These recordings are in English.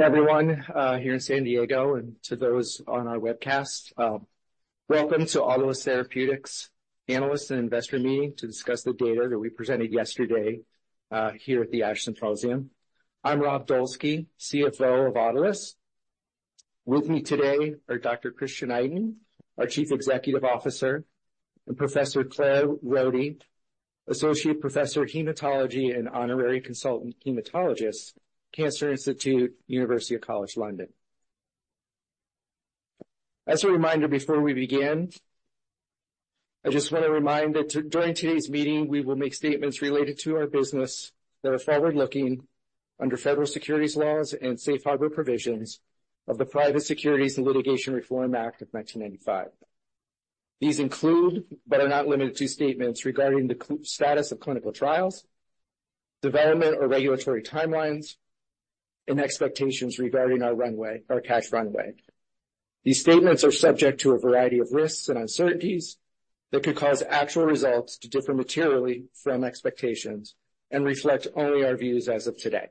Everyone here in San Diego and to those on our webcast, welcome to Autolus Therapeutics Analyst and Investor Meeting to discuss the data that we presented yesterday here at the ASH symposium. I'm Rob Dolski, CFO of Autolus. With me today are Dr. Christian Itin, our Chief Executive Officer, and Professor Claire Roddie, Associate Professor of Hematology and Honorary Consultant Hematologist, Cancer Institute, University College London. As a reminder, before we begin, I just want to remind that during today's meeting, we will make statements related to our business that are forward-looking under federal securities laws and safe harbor provisions of the Private Securities Litigation Reform Act of 1995. These include, but are not limited to, statements regarding the clinical status of clinical trials, development or regulatory timelines, and expectations regarding our runway, our cash runway. These statements are subject to a variety of risks and uncertainties that could cause actual results to differ materially from expectations and reflect only our views as of today.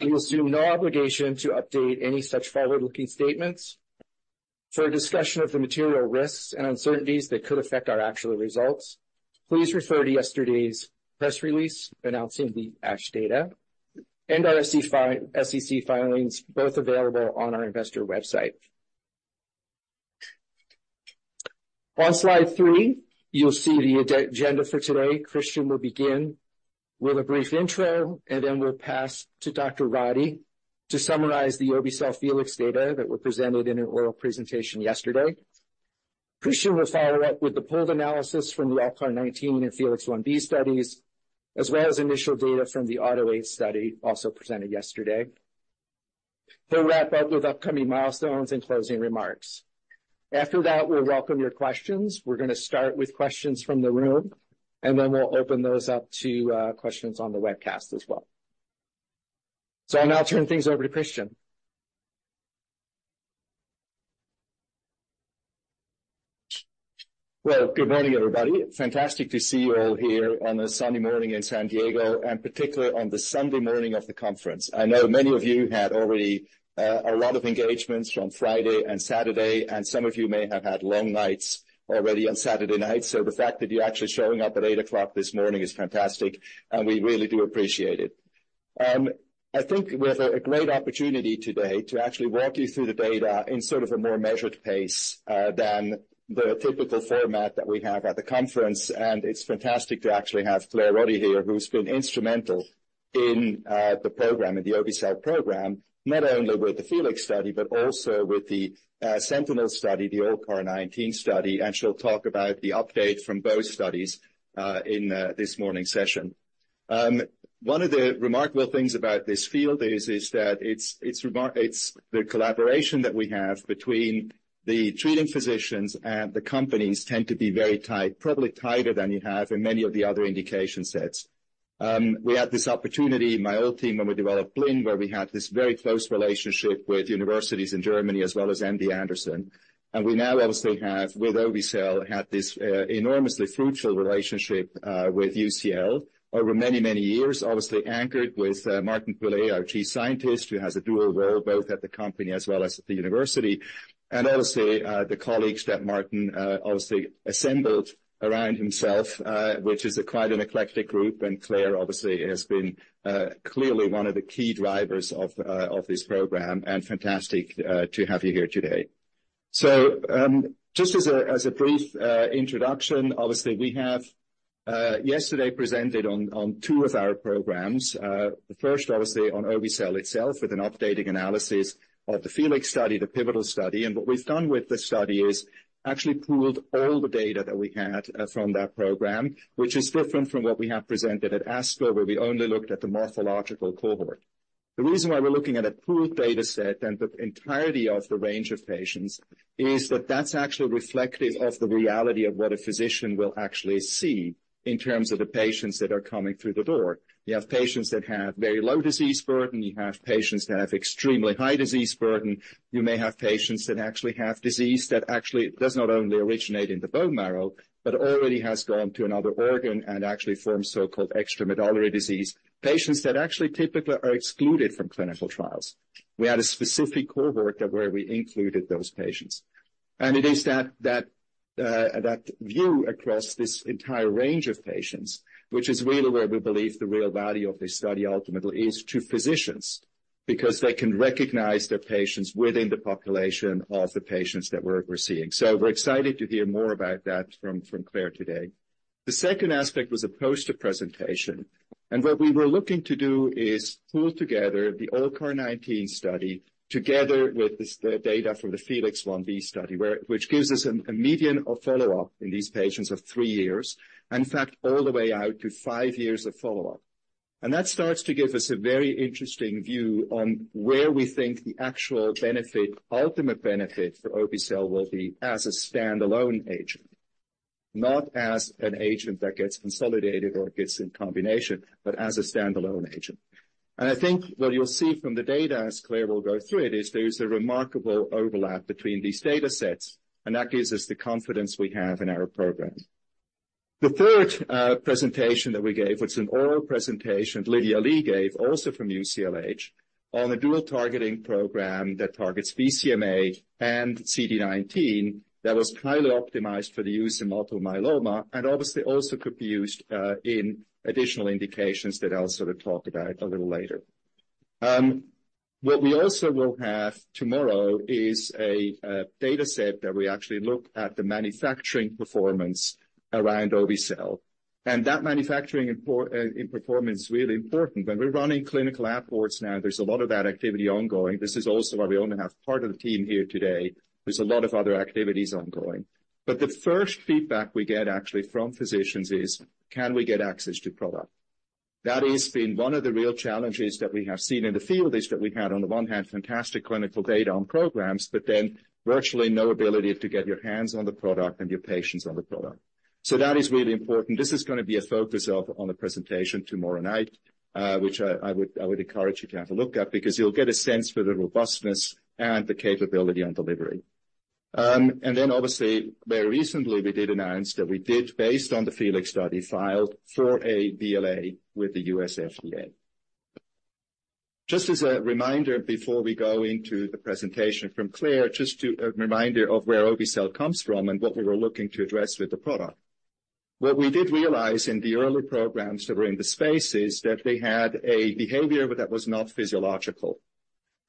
We assume no obligation to update any such forward-looking statements. For a discussion of the material risks and uncertainties that could affect our actual results, please refer to yesterday's press release announcing the ASH data and our SEC filings, both available on our investor website. On slide three, you'll see the agenda for today. Christian will begin with a brief intro, and then we'll pass to Dr. Roddie to summarize the obe-cel FELIX data that were presented in an oral presentation yesterday. Christian will follow up with the pooled analysis from the ALLCAR19 and FELIX Ib studies, as well as initial data from the AUTO8 study, also presented yesterday. He'll wrap up with upcoming milestones and closing remarks. After that, we'll welcome your questions. We're going to start with questions from the room, and then we'll open those up to questions on the webcast as well. I'll now turn things over to Christian. Well, good morning, everybody. Fantastic to see you all here on a sunny morning in San Diego, and particularly on the Sunday morning of the conference. I know many of you had already a lot of engagements from Friday and Saturday, and some of you may have had long nights already on Saturday night. So the fact that you're actually showing up at 8:00 A.M. this morning is fantastic, and we really do appreciate it. I think we have a great opportunity today to actually walk you through the data in sort of a more measured pace than the typical format that we have at the conference. And it's fantastic to actually have Claire Roddie here, who's been instrumental in the program, in the obe-cel program. Not only with the FELIX study, but also with the Sentinel study, the ALLCAR19 study, and she'll talk about the update from both studies in this morning's session. One of the remarkable things about this field is that it's the collaboration that we have between the treating physicians and the companies tend to be very tight, probably tighter than you have in many of the other indication sets. We had this opportunity, my old team, when we developed Blincyto, where we had this very close relationship with universities in Germany as well as MD Anderson. And we now obviously have, with obe-cel, had this enormously fruitful relationship with UCL over many, many years. Obviously anchored with Martin Pule, our chief scientist, who has a dual role, both at the company as well as at the university. Obviously, the colleagues that Martin obviously assembled around himself, which is quite an eclectic group. And Claire, obviously, has been clearly one of the key drivers of this program, and fantastic to have you here today. So, just as a brief introduction, obviously, we have yesterday presented on two of our programs. The first, obviously, on obe-cel itself, with an updating analysis of the FELIX study, the pivotal study. And what we've done with this study is actually pooled all the data that we had from that program, which is different from what we have presented at ASCO, where we only looked at the morphological cohort. The reason why we're looking at a pooled data set and the entirety of the range of patients, is that that's actually reflective of the reality of what a physician will actually see in terms of the patients that are coming through the door. You have patients that have very low disease burden, you have patients that have extremely high disease burden. You may have patients that actually have disease that actually does not only originate in the bone marrow, but already has gone to another organ and actually forms so-called extramedullary disease, patients that actually typically are excluded from clinical trials. We had a specific cohort of where we included those patients, and it is that view across this entire range of patients, which is really where we believe the real value of this study ultimately is to physicians, because they can recognize their patients within the population of the patients that we're seeing. So we're excited to hear more about that from Claire today. The second aspect was a poster presentation, and what we were looking to do is pool together the ALLCAR19 study together with this, the data from the FELIX Ib study, which gives us a median of follow-up in these patients of three years, and in fact, all the way out to five years of follow-up. That starts to give us a very interesting view on where we think the actual benefit, ultimate benefit for obe-cel will be as a standalone agent, not as an agent that gets consolidated or gets in combination, but as a standalone agent. I think what you'll see from the data, as Claire will go through it, is there is a remarkable overlap between these data sets, and that gives us the confidence we have in our program.... The third presentation that we gave, which is an oral presentation Lydia Lee gave also from UCLH, on a dual targeting program that targets BCMA and CD19, that was highly optimized for the use in multiple myeloma, and obviously also could be used in additional indications that I'll sort of talk about a little later. What we also will have tomorrow is a data set that we actually look at the manufacturing performance around obe-cel. And that manufacturing performance is really important. When we're running clinical reports now, there's a lot of that activity ongoing. This is also why we only have part of the team here today. There's a lot of other activities ongoing. But the first feedback we get actually from physicians is: Can we get access to product? That has been one of the real challenges that we have seen in the field, is that we've had, on the one hand, fantastic clinical data on programs, but then virtually no ability to get your hands on the product and your patients on the product. So that is really important. This is gonna be a focus of, on the presentation tomorrow night, which I, I would, I would encourage you to have a look at, because you'll get a sense for the robustness and the capability on delivery. And then, obviously, very recently, we did announce that we did, based on the FELIX study, filed for a BLA with the U.S. FDA. Just as a reminder, before we go into the presentation from Claire, just to a reminder of where obe-cel comes from and what we were looking to address with the product. What we did realize in the early programs that were in the space is that they had a behavior but that was not physiological.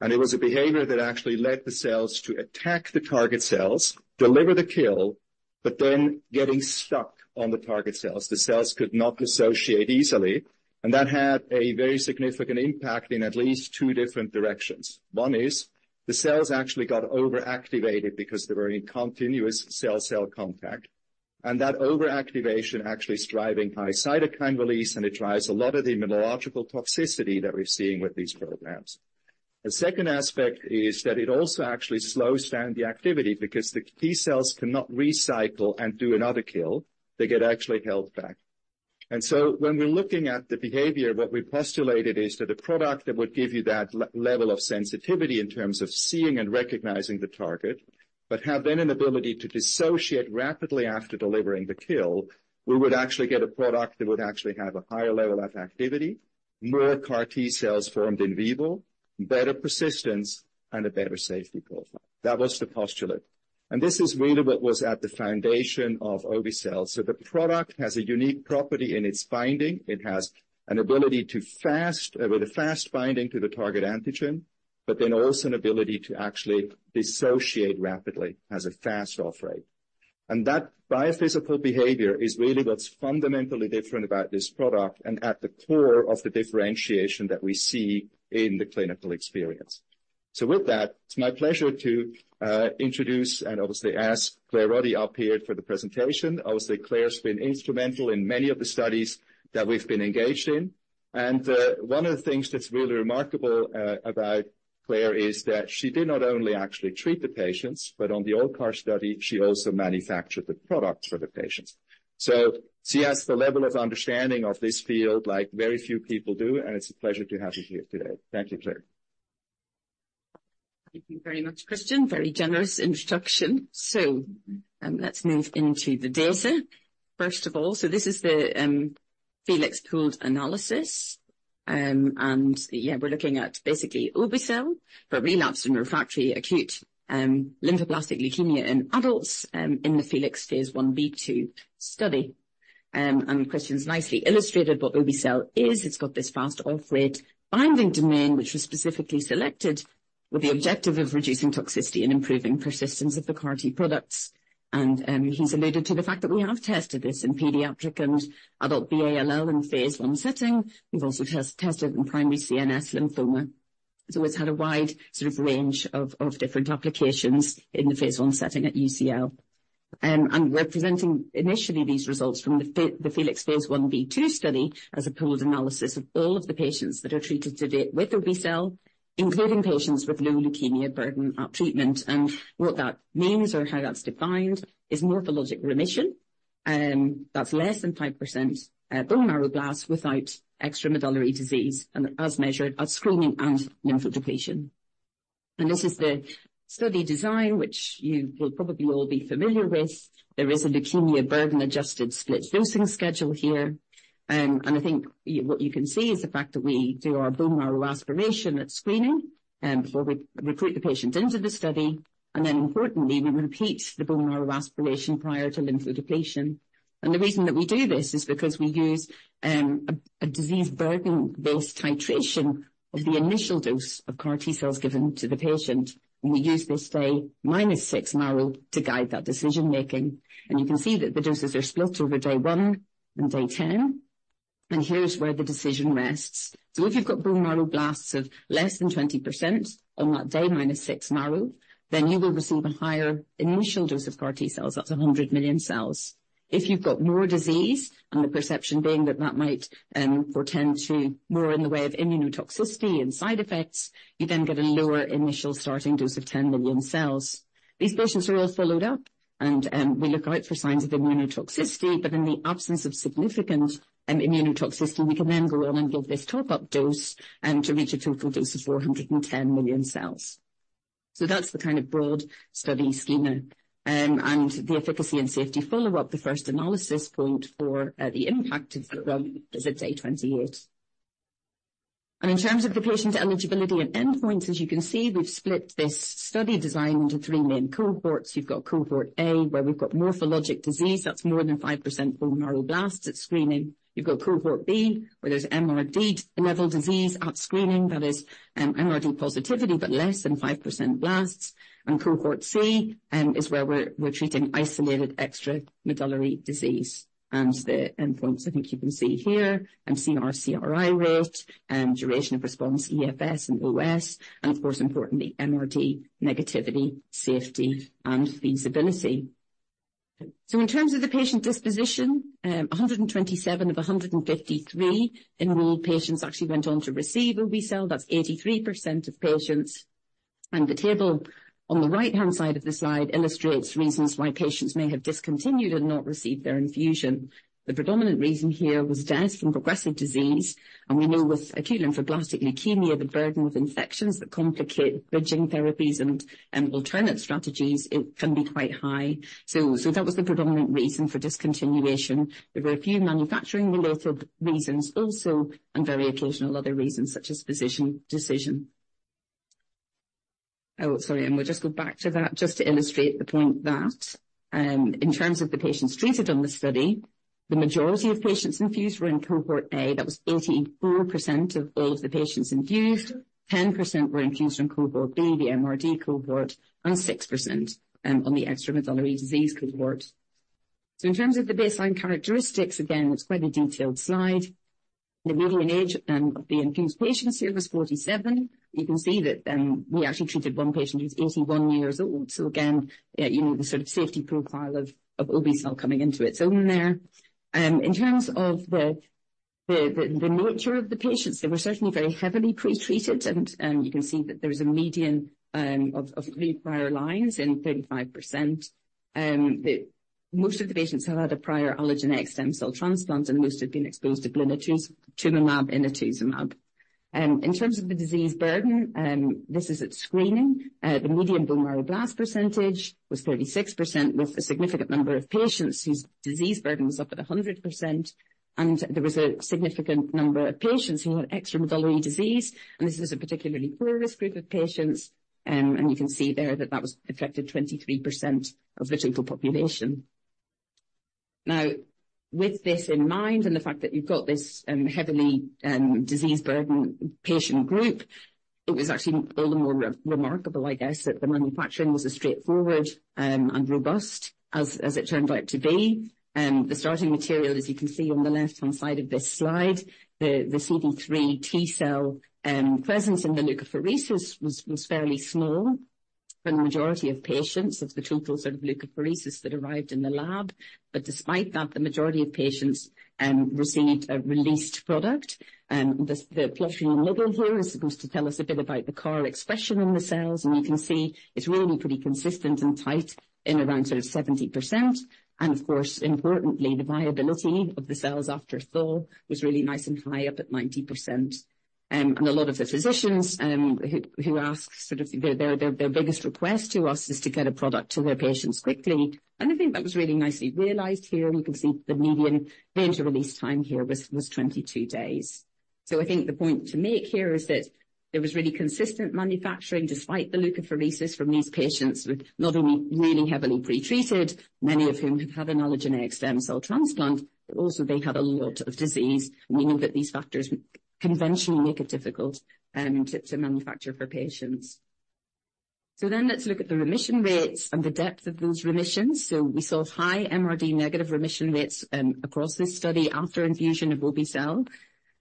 And it was a behavior that actually led the cells to attack the target cells, deliver the kill, but then getting stuck on the target cells. The cells could not dissociate easily, and that had a very significant impact in at least two different directions. One is, the cells actually got overactivated because they were in continuous cell-cell contact, and that overactivation actually is driving high cytokine release, and it drives a lot of the immunological toxicity that we're seeing with these programs. The second aspect is that it also actually slows down the activity because the T-cells cannot recycle and do another kill. They get actually held back. When we're looking at the behavior, what we postulated is that a product that would give you that level of sensitivity in terms of seeing and recognizing the target, but have then an ability to dissociate rapidly after delivering the kill, we would actually get a product that would actually have a higher level of activity, more CAR T cells formed in vivo, better persistence, and a better safety profile. That was the postulate, and this is really what was at the foundation of obe-cel. The product has a unique property in its binding. It has an ability to fast bind with a fast binding to the target antigen, but then also an ability to actually dissociate rapidly as a fast off-rate. That biophysical behavior is really what's fundamentally different about this product and at the core of the differentiation that we see in the clinical experience. So with that, it's my pleasure to introduce and obviously ask Claire Roddie up here for the presentation. Obviously, Claire's been instrumental in many of the studies that we've been engaged in. And one of the things that's really remarkable about Claire is that she did not only actually treat the patients, but on the ALLCAR study, she also manufactured the product for the patients. So she has the level of understanding of this field like very few people do, and it's a pleasure to have you here today. Thank you, Claire. Thank you very much, Christian. Very generous introduction. Let's move into the data. First of all, this is the FELIX pooled analysis. Yeah, we're looking at basically obe-cel for relapsed and refractory acute lymphoblastic leukemia in adults in the FELIX phase Ib/II study. Christian's nicely illustrated what obe-cel is. It's got this fast off-rate binding domain, which was specifically selected with the objective of reducing toxicity and improving persistence of the CAR T products. He's alluded to the fact that we have tested this in pediatric and adult ALL in phase I setting. We've also tested in primary CNS lymphoma. It's had a wide sort of range of different applications in the phase I setting at UCL. We're presenting initially these results from the FELIX phase Ib/II study as a pooled analysis of all of the patients that are treated to date with obe-cel, including patients with low leukemia burden at treatment. What that means or how that's defined is morphologic remission, that's less than 5%, bone marrow blast without extramedullary disease and as measured at screening and lymphodepletion. This is the study design, which you will probably all be familiar with. There is a leukemia burden-adjusted split dosing schedule here. I think what you can see is the fact that we do our bone marrow aspiration at screening before we recruit the patient into the study. Then importantly, we repeat the bone marrow aspiration prior to lymphodepletion. The reason that we do this is because we use a disease burden-based titration of the initial dose of CAR T-cells given to the patient. We use this Day -6 marrow to guide that decision making. You can see that the doses are split over day 1 and day 10. Here's where the decision rests. So if you've got bone marrow blasts of less than 20% on that Day -6 marrow, then you will receive a higher initial dose of CAR T-cells. That's 100 million cells. If you've got more disease, and the perception being that that might portend to more in the way of immunotoxicity and side effects, you then get a lower initial starting dose of 10 million cells. These patients are all followed up, and we look out for signs of immunotoxicity, but in the absence of significant immunotoxicity, we can then go on and give this top-up dose to reach a total dose of 410 million cells... So that's the kind of broad study schema. The efficacy and safety follow-up, the first analysis point for the impact of the drug is at day 28. In terms of the patient eligibility and endpoints, as you can see, we've split this study design into three main cohorts. You've got Cohort A, where we've got morphologic disease. That's more than 5% bone marrow blasts at screening. You've got Cohort B, where there's MRD level disease at screening, that is, MRD positivity, but less than 5% blasts. Cohort C is where we're treating isolated extramedullary disease. The endpoints, I think you can see here, and CR/CRi rate and duration of response, EFS and OS, and of course, importantly, MRD negativity, safety, and feasibility. So in terms of the patient disposition, 127 of 153 enrolled patients actually went on to receive obe-cel. That's 83% of patients. The table on the right-hand side of the slide illustrates reasons why patients may have discontinued and not received their infusion. The predominant reason here was death from progressive disease, and we know with acute lymphoblastic leukemia, the burden of infections that complicate bridging therapies and alternate strategies, it can be quite high. So that was the predominant reason for discontinuation. There were a few manufacturing-related reasons also, and very occasional other reasons, such as physician decision. Oh, sorry, and we'll just go back to that just to illustrate the point that, in terms of the patients treated on the study, the majority of patients infused were in Cohort A. That was 84% of all of the patients infused, 10% were infused in Cohort B, the MRD cohort, and 6%, on the extramedullary disease cohort. So in terms of the baseline characteristics, again, it's quite a detailed slide. The median age, of the infused patients here was 47. You can see that, we actually treated one patient who's 81 years old. So again, you know, the sort of safety profile of obe-cel coming into its own there. In terms of the nature of the patients, they were certainly very heavily pretreated, and you can see that there is a median of three prior lines and 35%. Most of the patients have had a prior allogeneic stem cell transplant, and most have been exposed to blinatumomab, inotuzumab. In terms of the disease burden, this is at screening. The median bone marrow blast percentage was 36%, with a significant number of patients whose disease burden was up at 100%, and there was a significant number of patients who had extramedullary disease, and this was a particularly poor risk group of patients. You can see there that that affected 23% of the total population. Now, with this in mind, and the fact that you've got this heavily disease burden patient group, it was actually all the more remarkable, I guess, that the manufacturing was as straightforward and robust as it turned out to be. The starting material, as you can see on the left-hand side of this slide, the CD3 T cell presence in the leukapheresis was fairly small for the majority of patients of the total sort of leukapheresis that arrived in the lab. But despite that, the majority of patients received a released product. The plot in the middle here is supposed to tell us a bit about the CAR expression in the cells, and you can see it's really pretty consistent and tight in around sort of 70%. And of course, importantly, the viability of the cells after thaw was really nice and high up at 90%. And a lot of the physicians who ask sort of their biggest request to us is to get a product to their patients quickly. And I think that was really nicely realized here, and you can see the median range or release time here was 22 days. So I think the point to make here is that there was really consistent manufacturing despite the leukapheresis from these patients, with not only really heavily pretreated, many of whom have had an allogeneic stem cell transplant, but also they had a lot of disease, meaning that these factors conventionally make it difficult to manufacture for patients. So then let's look at the remission rates and the depth of those remissions. So we saw high MRD negative remission rates across this study after infusion of obe-cel.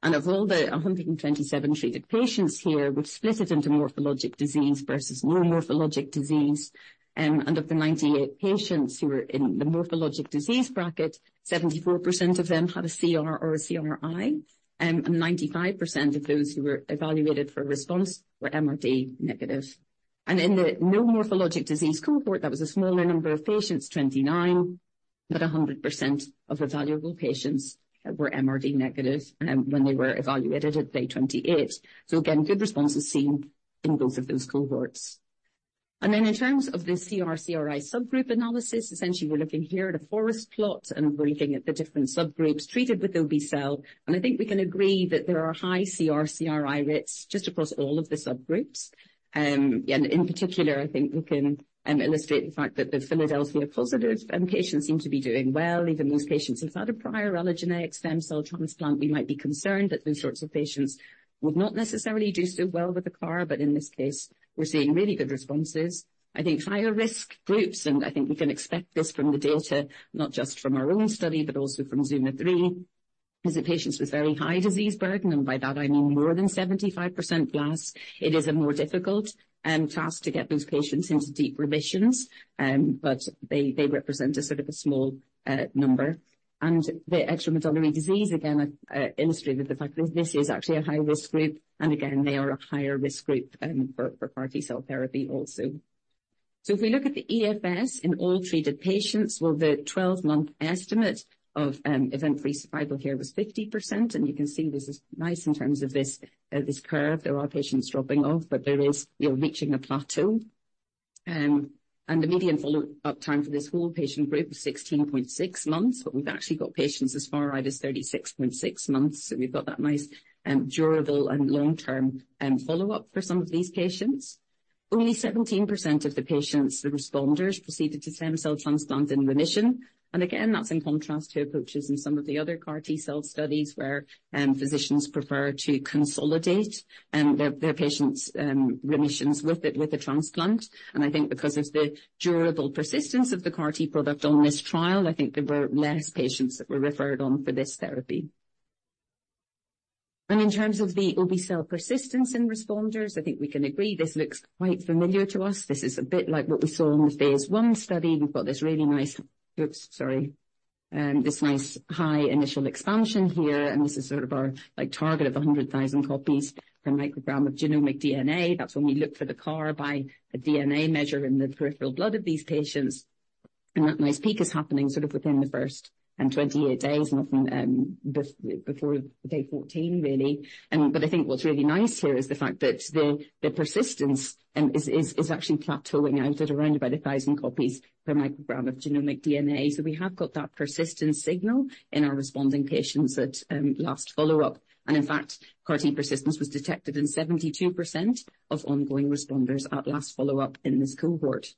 And of all the 127 treated patients here, we've split it into morphologic disease versus no morphologic disease. And of the 98 patients who were in the morphologic disease bracket, 74% of them had a CR or a CRi, and 95% of those who were evaluated for a response were MRD negative. And in the no morphologic disease cohort, that was a smaller number of patients, 29, but 100% of evaluable patients were MRD negative when they were evaluated at day 28. So again, good responses seen in both of those cohorts. And then in terms of the CR/CRi subgroup analysis, essentially, we're looking here at a forest plot, and we're looking at the different subgroups treated with obe-cel, and I think we can agree that there are high CR/CRi rates just across all of the subgroups. And in particular, I think we can illustrate the fact that the Philadelphia-positive patients seem to be doing well. Even those patients who've had a prior allogeneic stem cell transplant, we might be concerned that those sorts of patients would not necessarily do so well with the CAR, but in this case, we're seeing really good responses. I think higher-risk groups, and I think we can expect this from the data, not just from our own study, but also from ZUMA-3, is that patients with very high disease burden, and by that I mean more than 75% blasts, it is a more difficult task to get those patients into deep remissions, but they, they represent a sort of a small number. And the extramedullary disease, again, illustrated the fact that this is actually a high-risk group, and again, they are a higher risk group, for, for CAR T cell therapy also. So if we look at the EFS in all treated patients, well, the twelve-month estimate of event-free survival here was 50%, and you can see this is nice in terms of this curve. There are patients dropping off, but there is, you're reaching a plateau. And the median follow-up time for this whole patient group was 16.6 months, but we've actually got patients as far out as 36.6 months. So we've got that nice and durable and long-term follow-up for some of these patients. Only 17% of the patients, the responders, proceeded to stem cell transplant in remission. And again, that's in contrast to approaches in some of the other CAR T-cell studies, where physicians prefer to consolidate their patients' remissions with it, with a transplant. And I think because of the durable persistence of the CAR T product on this trial, I think there were less patients that were referred on for this therapy. And in terms of the obe-cel persistence in responders, I think we can agree this looks quite familiar to us. This is a bit like what we saw in the phase I study. We've got this nice high initial expansion here, and this is sort of our, like, target of 100,000 copies per microgram of genomic DNA. That's when we look for the CAR by a DNA measure in the peripheral blood of these patients. That nice peak is happening sort of within the first 28 days, nothing before day 14, really. But I think what's really nice here is the fact that the persistence is actually plateauing out at around about 1,000 copies per microgram of genomic DNA. So we have got that persistent signal in our responding patients at last follow-up. In fact, CAR T persistence was detected in 72% of ongoing responders at last follow-up in this cohort.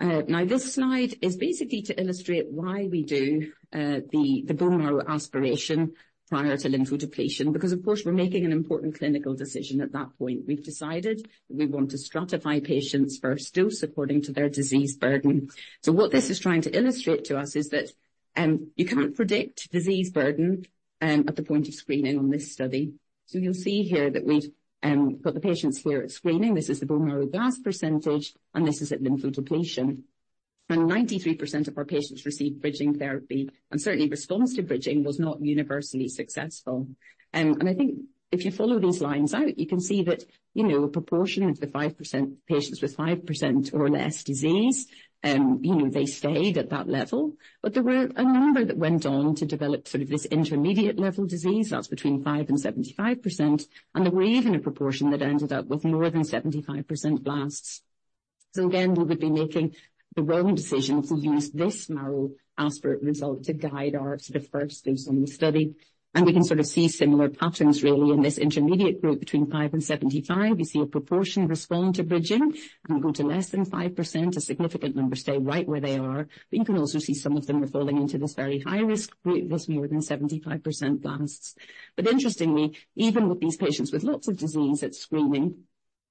Now, this slide is basically to illustrate why we do the bone marrow aspiration prior to lymphodepletion, because, of course, we're making an important clinical decision at that point. We've decided we want to stratify patients first, still according to their disease burden. What this is trying to illustrate to us is that you can't predict disease burden at the point of screening on this study. You'll see here that we've got the patients here at screening. This is the bone marrow blast percentage, and this is at lymphodepletion. 93% of our patients received bridging therapy, and certainly, response to bridging was not universally successful. And I think if you follow these lines out, you know, a proportion of the 5%, patients with 5% or less disease, you know, they stayed at that level, but there were a number that went on to develop sort of this intermediate-level disease. That's between 5% and 75%, and there were even a proportion that ended up with more than 75% blasts. So again, we would be making the wrong decision to use this marrow aspirate result to guide our sort of first use in the study. And we can sort of see similar patterns really in this intermediate group between 5% and 75%. We see a proportion respond to bridging and go to less than 5%. A significant number stay right where they are, but you can also see some of them are falling into this very high-risk group, with more than 75% blasts. But interestingly, even with these patients with lots of disease at screening,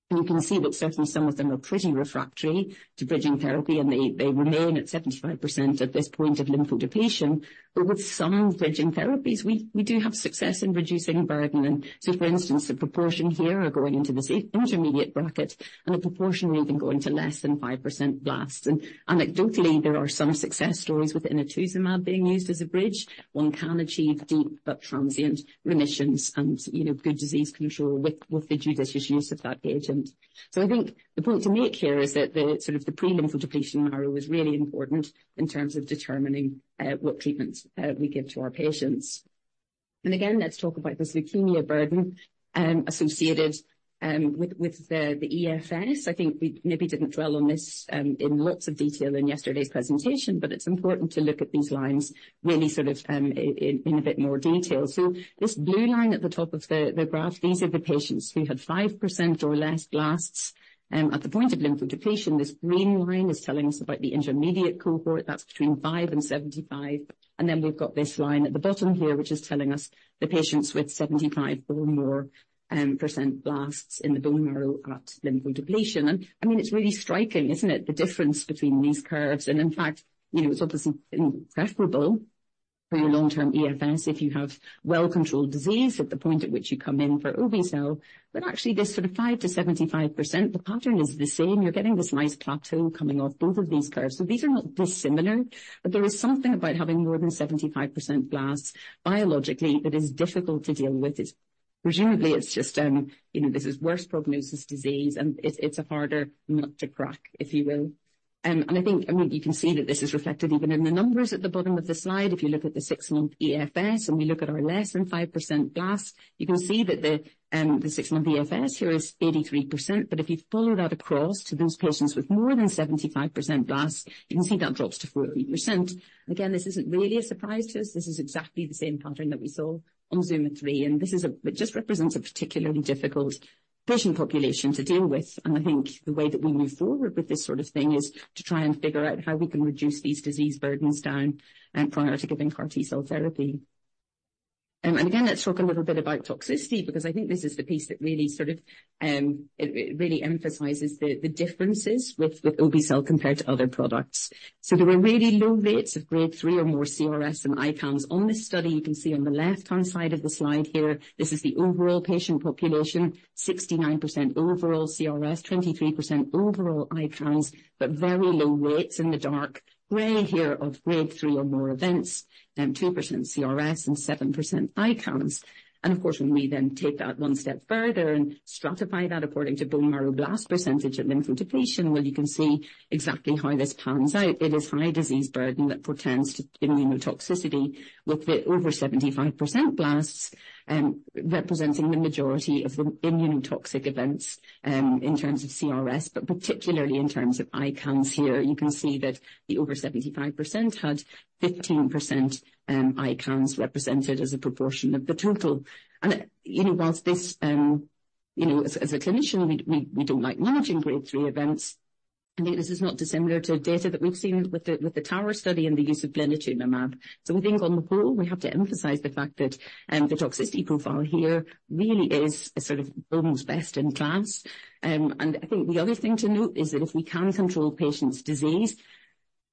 and you can see that certainly some of them are pretty refractory to bridging therapy, and they remain at 75% at this point of lymphodepletion. But with some bridging therapies, we do have success in reducing burden. So for instance, the proportion here are going into this intermediate bracket, and a proportion are even going to less than 5% blasts. And anecdotally, there are some success stories within inotuzumab being used as a bridge. One can achieve deep but transient remissions and, you know, good disease control with the judicious use of that agent. So I think the point to make here is that the sort of the pre-lymphodepletion marrow is really important in terms of determining what treatments we give to our patients. And again, let's talk about this leukemia burden associated with the EFS. I think we maybe didn't dwell on this in lots of detail in yesterday's presentation, but it's important to look at these lines really sort of in a bit more detail. So this blue line at the top of the graph, these are the patients who had 5% or less blasts at the point of lymphodepletion. This green line is telling us about the intermediate cohort. That's between 5%-75%. And then we've got this line at the bottom here, which is telling us the patients with 75% or more blasts in the bone marrow at lymphodepletion. And I mean, it's really striking, isn't it? The difference between these curves and in fact, you know, it's obviously preferable for your long-term EFS if you have well-controlled disease at the point at which you come in for obe-cel. But actually, this sort of 5%-75%, the pattern is the same. You're getting this nice plateau coming off both of these curves. So these are not dissimilar, but there is something about having more than 75% blasts biologically that is difficult to deal with. It's. Presumably, it's just, you know, this is worse prognosis disease, and it's, it's a harder nut to crack, if you will. And I think, I mean, you can see that this is reflected even in the numbers at the bottom of the slide. If you look at the six-month EFS, and we look at our less than 5% blasts, you can see that the, the six-month EFS here is 83%. But if you follow that across to those patients with more than 75% blasts, you can see that drops to 48%. Again, this isn't really a surprise to us. This is exactly the same pattern that we saw on ZUMA-3, and this is it just represents a particularly difficult patient population to deal with. And I think the way that we move forward with this sort of thing is to try and figure out how we can reduce these disease burdens down, prior to giving CAR T-cell therapy. And again, let's talk a little bit about toxicity, because I think this is the piece that really sort of it really emphasizes the differences with obe-cel compared to other products. So there were really low rates of grade 3 or more CRS and ICANS on this study. You can see on the left-hand side of the slide here, this is the overall patient population, 69% overall CRS, 23% overall ICANS, but very low rates in the dark gray here of grade 3 or more events, and 2% CRS and 7% ICANS. And of course, when we then take that one step further and stratify that according to bone marrow blast percentage at lymphodepletion, well, you can see exactly how this pans out. It is high disease burden that portends to immunotoxicity, with the over 75% blasts representing the majority of the immunotoxic events in terms of CRS, but particularly in terms of ICANS here. You can see that the over 75% had 15% ICANS represented as a proportion of the total. You know, while this, you know, as a clinician, we don't like managing grade three events, I think this is not dissimilar to data that we've seen with the TOWER study and the use of blinatumomab. So we think on the whole, we have to emphasize the fact that the toxicity profile here really is a sort of almost best in class. And I think the other thing to note is that if we can control a patient's disease,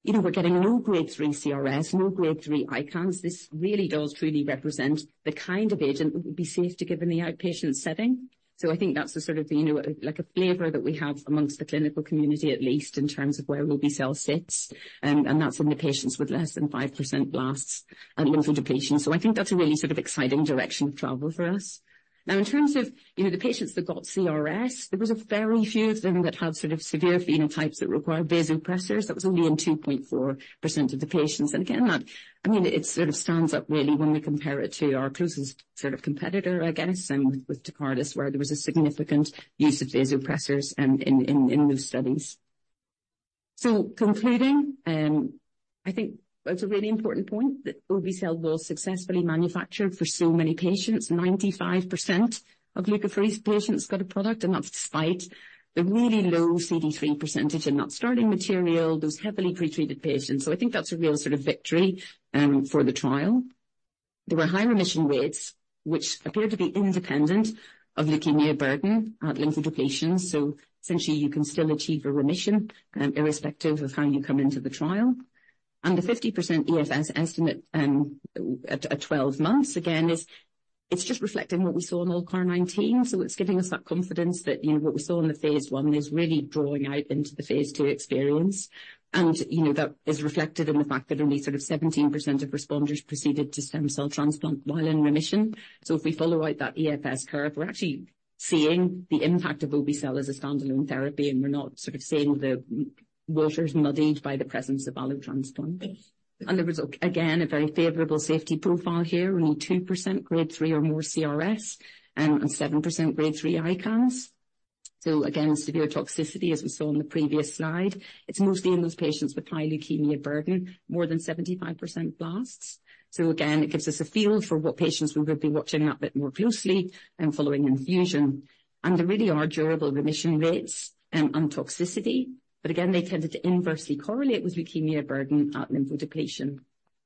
you know, we're getting no grade three CRS, no grade three ICANS. This really does truly represent the kind of agent that would be safe to give in the outpatient setting. So I think that's the sort of, you know, like a flavor that we have amongst the clinical community, at least in terms of where obe-cel sits, and that's in the patients with less than 5% blasts at lymphodepletion. So I think that's a really sort of exciting direction of travel for us. Now, in terms of, you know, the patients that got CRS, there was a very few of them that had sort of severe phenotypes that required vasopressors. That was only in 2.4% of the patients. And again, that—I mean, it sort of stands up really when we compare it to our closest sort of competitor, I guess, with Tecartus, where there was a significant use of vasopressors, in those studies. So concluding, I think it's a really important point that obe-cel was successfully manufactured for so many patients. 95% of leukapheresis patients got a product, and that's despite the really low CD3 percentage in that starting material, those heavily pretreated patients. So I think that's a real sort of victory for the trial. There were high remission rates, which appeared to be independent of leukemia burden at lymphodepletion. So essentially, you can still achieve a remission, irrespective of how you come into the trial. The 50% EFS estimate at 12 months, again, is—it's just reflecting what we saw in ALLCAR19. So it's giving us that confidence that, you know, what we saw in the phase I is really drawing out into the phase I experience. And, you know, that is reflected in the fact that only sort of 17% of responders proceeded to stem cell transplant while in remission. So if we follow out that EFS curve, we're actually seeing the impact of obe-cel as a standalone therapy, and we're not sort of seeing the waters muddied by the presence of allogeneic transplant. And there was, again, a very favorable safety profile here, only 2% grade 3 or more CRS, and 7% grade 3 ICANS. So again, severe toxicity, as we saw in the previous slide, it's mostly in those patients with high leukemia burden, more than 75% blasts. So again, it gives us a feel for what patients we would be watching out a bit more closely and following infusion. And there really are durable remission rates on toxicity, but again, they tended to inversely correlate with leukemia burden at lymphodepletion.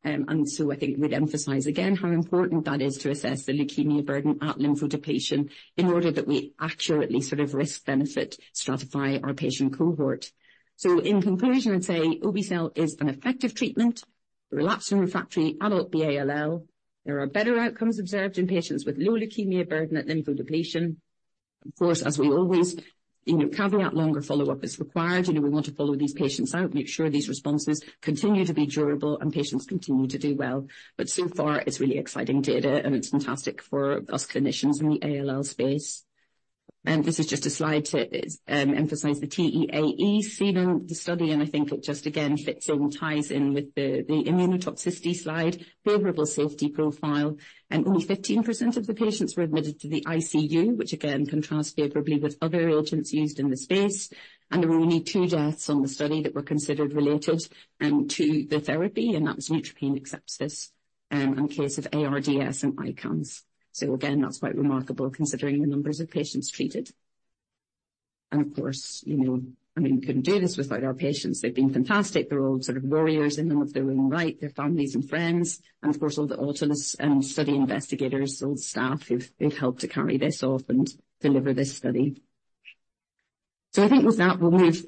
And so I think we'd emphasize again, how important that is to assess the leukemia burden at lymphodepletion in order that we accurately sort of risk/benefit stratify our patient cohort. So in conclusion, I'd say obe-cel is an effective treatment for relapsing and refractory adult ALL. There are better outcomes observed in patients with low leukemia burden at lymphodepletion. Of course, as we always, you know, caveat longer follow-up is required. You know, we want to follow these patients out, make sure these responses continue to be durable and patients continue to do well. But so far, it's really exciting data, and it's fantastic for us clinicians in the ALL space. And this is just a slide to emphasize the TEAE seen in the study, and I think it just again fits in, ties in with the immunotoxicity slide. Favorable safety profile, and only 15% of the patients were admitted to the ICU, which again contrasts favorably with other agents used in the space. And there were only two deaths on the study that were considered related to the therapy, and that was neutropenic sepsis and a case of ARDS and ICANS. So again, that's quite remarkable considering the numbers of patients treated. Of course, you know, I mean, we couldn't do this without our patients. They've been fantastic. They're all sort of warriors in and of their own right, their families and friends, and of course, all the authors and study investigators, all the staff who've helped to carry this off and deliver this study. So I think with that, we'll move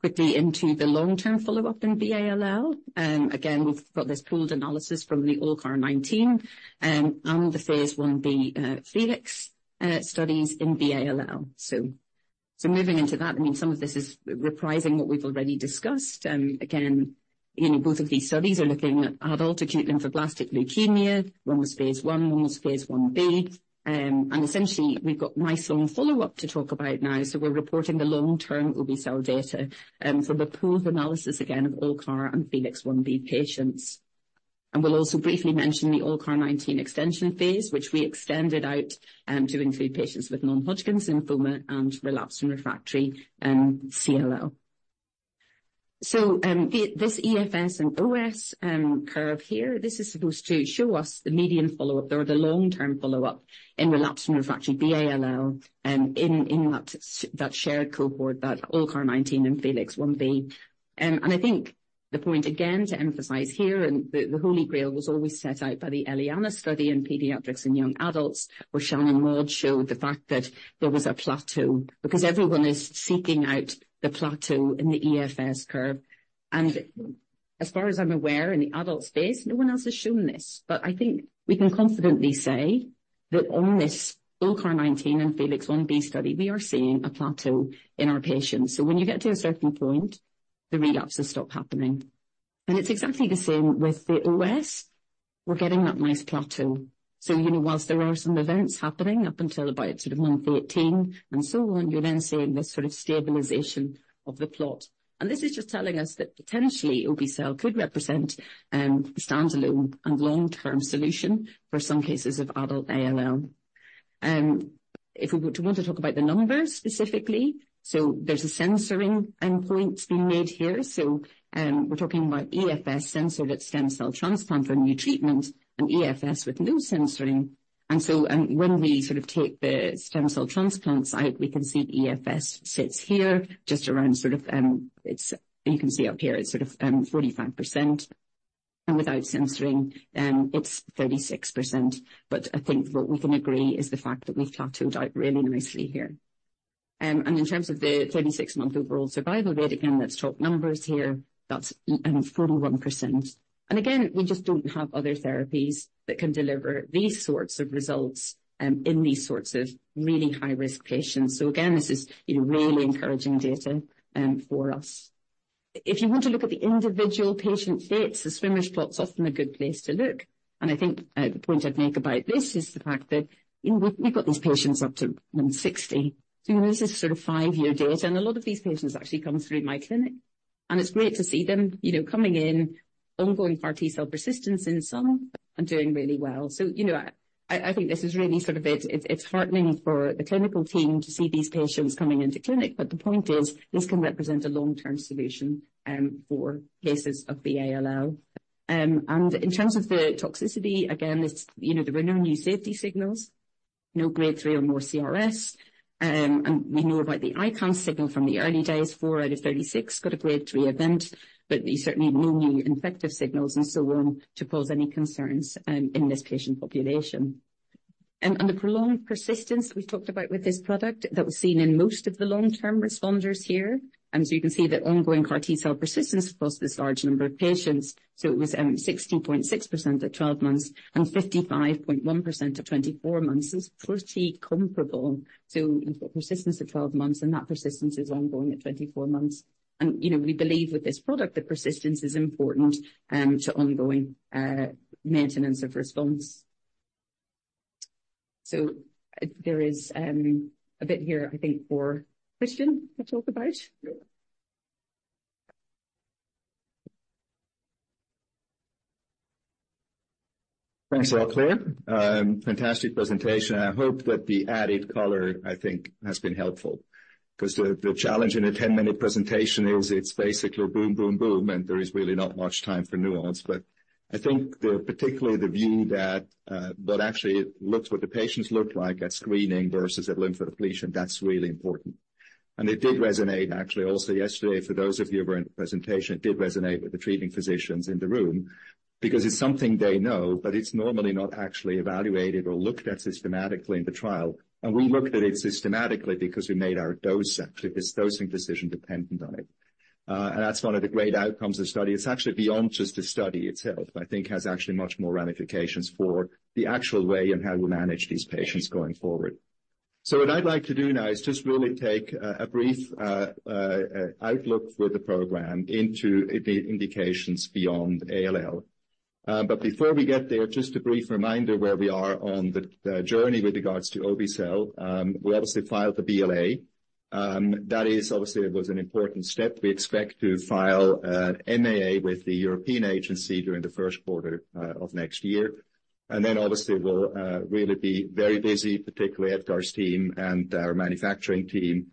quickly into the long-term follow-up in B-ALL. Again, we've got this pooled analysis from the ALLCAR19 and the phase Ib FELIX studies in B-ALL. So moving into that, I mean, some of this is reprising what we've already discussed. Again, you know, both of these studies are looking at adult acute lymphoblastic leukemia. One was phase I, one was phase Ib. And essentially, we've got nice long follow-up to talk about now. We're reporting the long-term obe-cel data from the pooled analysis, again, of ALLCAR and FELIX Ib patients. We'll also briefly mention the ALLCAR19 extension phase, which we extended out to include patients with non-Hodgkin's lymphoma and relapse and refractory CLL. The EFS and OS curve here is supposed to show us the median follow-up or the long-term follow-up in relapsed and refractory B-ALL in that shared cohort, that ALLCAR19 and FELIX Ib. The point again to emphasize here, the Holy Grail was always set out by the ELIANA study in pediatrics and young adults, where Shannon Maude showed the fact that there was a plateau, because everyone is seeking out the plateau in the EFS curve. As far as I'm aware, in the adult space, no one else has shown this. But I think we can confidently say that on this ALLCAR19 and FELIX Ib study, we are seeing a plateau in our patients. So when you get to a certain point, the relapses stop happening. And it's exactly the same with the OS. We're getting that nice plateau. So, you know, while there are some events happening up until about sort of Month 18 and so on, you're then seeing this sort of stabilization of the plot. And this is just telling us that potentially, obe-cel could represent a standalone and long-term solution for some cases of adult ALL. If we were to want to talk about the numbers specifically, so there's a censoring endpoint being made here. So, we're talking about EFS censored at stem cell transplant for new treatment and EFS with no censoring. And so, when we sort of take the stem cell transplants out, we can see EFS sits here just around sort of. You can see up here, it's sort of 45%, and without censoring, it's 36%. But I think what we can agree is the fact that we've plateaued out really nicely here. And in terms of the 36-month overall survival rate, again, that's top numbers here, that's 41%. And again, we just don't have other therapies that can deliver these sorts of results in these sorts of really high-risk patients. So again, this is, you know, really encouraging data for us. If you want to look at the individual patient dates, the swimmer's plot is often a good place to look. And I think, the point I'd make about this is the fact that, you know, we've got these patients up to month 60. So this is sort of five-year data, and a lot of these patients actually come through my clinic, and it's great to see them, you know, coming in, ongoing CAR T cell persistence in some and doing really well. So, you know, I think this is really sort of it. It's heartening for the clinical team to see these patients coming into clinic, but the point is, this can represent a long-term solution, for cases of the ALL. And in terms of the toxicity, again, this, you know, there were no new safety signals, no grade three or more CRS. And we know about the ICANS signal from the early days, 4 out of 36 got a grade three event, but certainly no new infective signals and so on to cause any concerns in this patient population. And the prolonged persistence we talked about with this product that was seen in most of the long-term responders here. And so you can see the ongoing CAR T cell persistence across this large number of patients. So it was 60.6% at 12 months, and 55.1% at 24 months. It's pretty comparable to persistence at 12 months, and that persistence is ongoing at 24 months. And, you know, we believe with this product that persistence is important to ongoing maintenance of response. So there is a bit here, I think, for Christian to talk about. Thanks, Claire. Fantastic presentation. I hope that the added color, I think, has been helpful because the, the challenge in a 10-minute presentation is it's basically boom, boom, boom, and there is really not much time for nuance. But I think the, particularly the view that, that actually looks what the patients look like at screening versus at lymphodepletion, that's really important. And it did resonate actually also yesterday, for those of you who were in the presentation, it did resonate with the treating physicians in the room because it's something they know, but it's normally not actually evaluated or looked at systematically in the trial. And we looked at it systematically because we made our dose, actually, this dosing decision dependent on it. And that's one of the great outcomes of the study. It's actually beyond just the study itself. I think it has actually much more ramifications for the actual way and how we manage these patients going forward. So what I'd like to do now is just really take a brief outlook for the program into the indications beyond ALL. But before we get there, just a brief reminder where we are on the journey with regards to obe-cel. We obviously filed the BLA. That is obviously, it was an important step. We expect to file an MAA with the European Agency during the first quarter of next year. And then obviously, we'll really be very busy, particularly Edgar's team and our manufacturing team,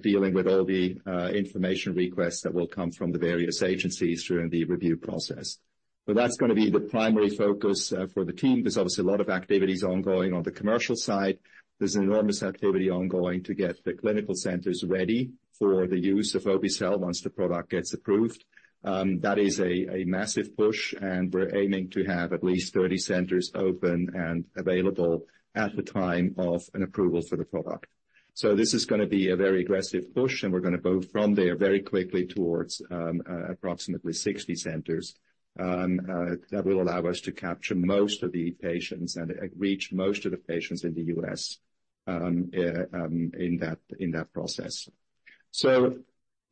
dealing with all the information requests that will come from the various agencies during the review process. So that's gonna be the primary focus for the team. There's obviously a lot of activities ongoing on the commercial side. There's enormous activity ongoing to get the clinical centers ready for the use of obe-cel once the product gets approved. That is a massive push, and we're aiming to have at least 30 centers open and available at the time of an approval for the product. So this is gonna be a very aggressive push, and we're going to go from there very quickly towards approximately 60 centers. That will allow us to capture most of the patients and reach most of the patients in the U.S., in that process. So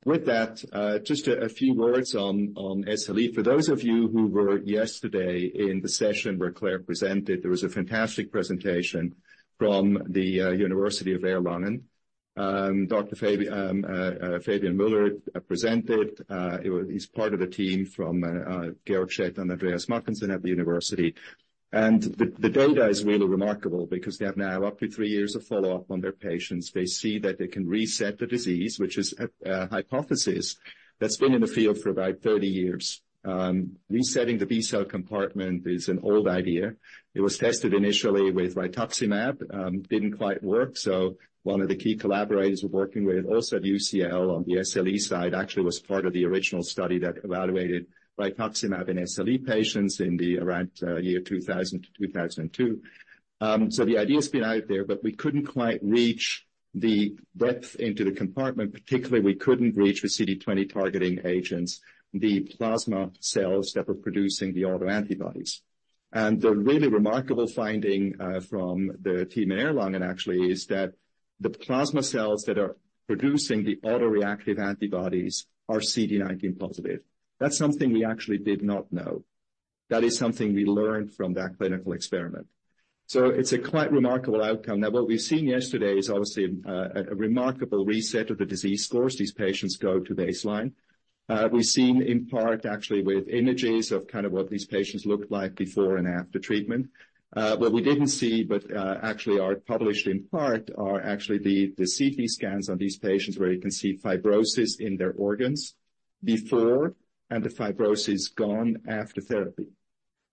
with that, just a few words on SLE. For those of you who were yesterday in the session where Claire presented, there was a fantastic presentation from the University of Erlangen. Dr. Fabian Müller presented. He's part of the team from Georg Schett and Andreas Mackensen at the university. The data is really remarkable because they have now up to three years of follow-up on their patients. They see that they can reset the disease, which is a hypothesis that's been in the field for about 30 years. Resetting the B-cell compartment is an old idea. It was tested initially with rituximab, didn't quite work. So one of the key collaborators we're working with, also at UCL on the SLE side, actually was part of the original study that evaluated rituximab in SLE patients in the around year 2000 to 2002. So the idea has been out there, but we couldn't quite reach the depth into the compartment. Particularly, we couldn't reach the CD20 targeting agents, the plasma cells that were producing the autoantibodies. And the really remarkable finding from the team in Erlangen, actually, is that the plasma cells that are producing the autoreactive antibodies are CD19 positive. That's something we actually did not know. That is something we learned from that clinical experiment. So it's a quite remarkable outcome. Now, what we've seen yesterday is obviously a remarkable reset of the disease course. These patients go to baseline. We've seen in part actually with images of kind of what these patients looked like before and after treatment. What we didn't see, but actually are published in part, are actually the CT scans on these patients, where you can see fibrosis in their organs before and the fibrosis gone after therapy.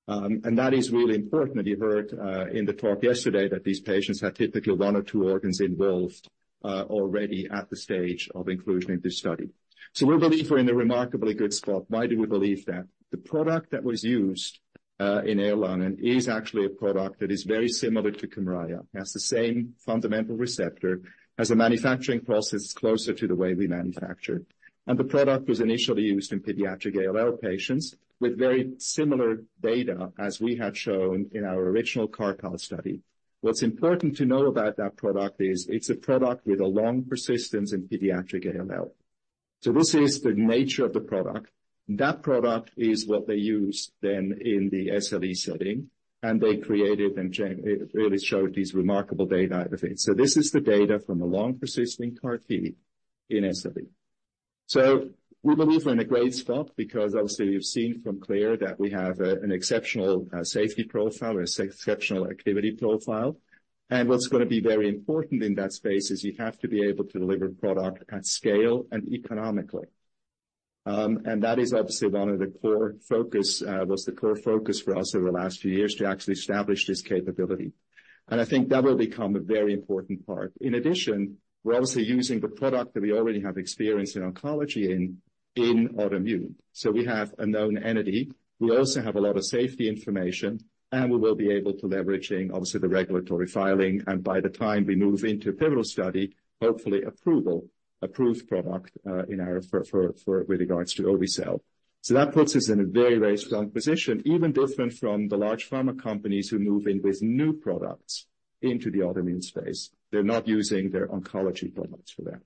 And that is really important. You heard in the talk yesterday that these patients had typically one or two organs involved already at the stage of inclusion in this study. So we believe we're in a remarkably good spot. Why do we believe that? The product that was used in Erlangen is actually a product that is very similar to Kymriah. It has the same fundamental receptor, has a manufacturing process closer to the way we manufacture. And the product was initially used in pediatric ALL patients with very similar data as we had shown in our original CAR T study. What's important to know about that product is it's a product with a long persistence in pediatric ALL. So this is the nature of the product. That product is what they used then in the SLE setting, and they created and really showed these remarkable data out of it. This is the data from a long-persistent CAR T in SLE. We believe we're in a great spot because obviously, you've seen from Claire that we have an exceptional safety profile, an exceptional activity profile. What's going to be very important in that space is you have to be able to deliver product at scale and economically. And that is obviously one of the core focus was the core focus for us over the last few years, to actually establish this capability. I think that will become a very important part. In addition, we're obviously using the product that we already have experience in oncology in autoimmune. We have a known entity. We also have a lot of safety information, and we will be able to leveraging, obviously, the regulatory filing, and by the time we move into a pivotal study, hopefully approval, approved product, in our favor with regards to obe-cel. So that puts us in a very strong position, even different from the large pharma companies who move in with new products into the autoimmune space. They're not using their oncology products for that.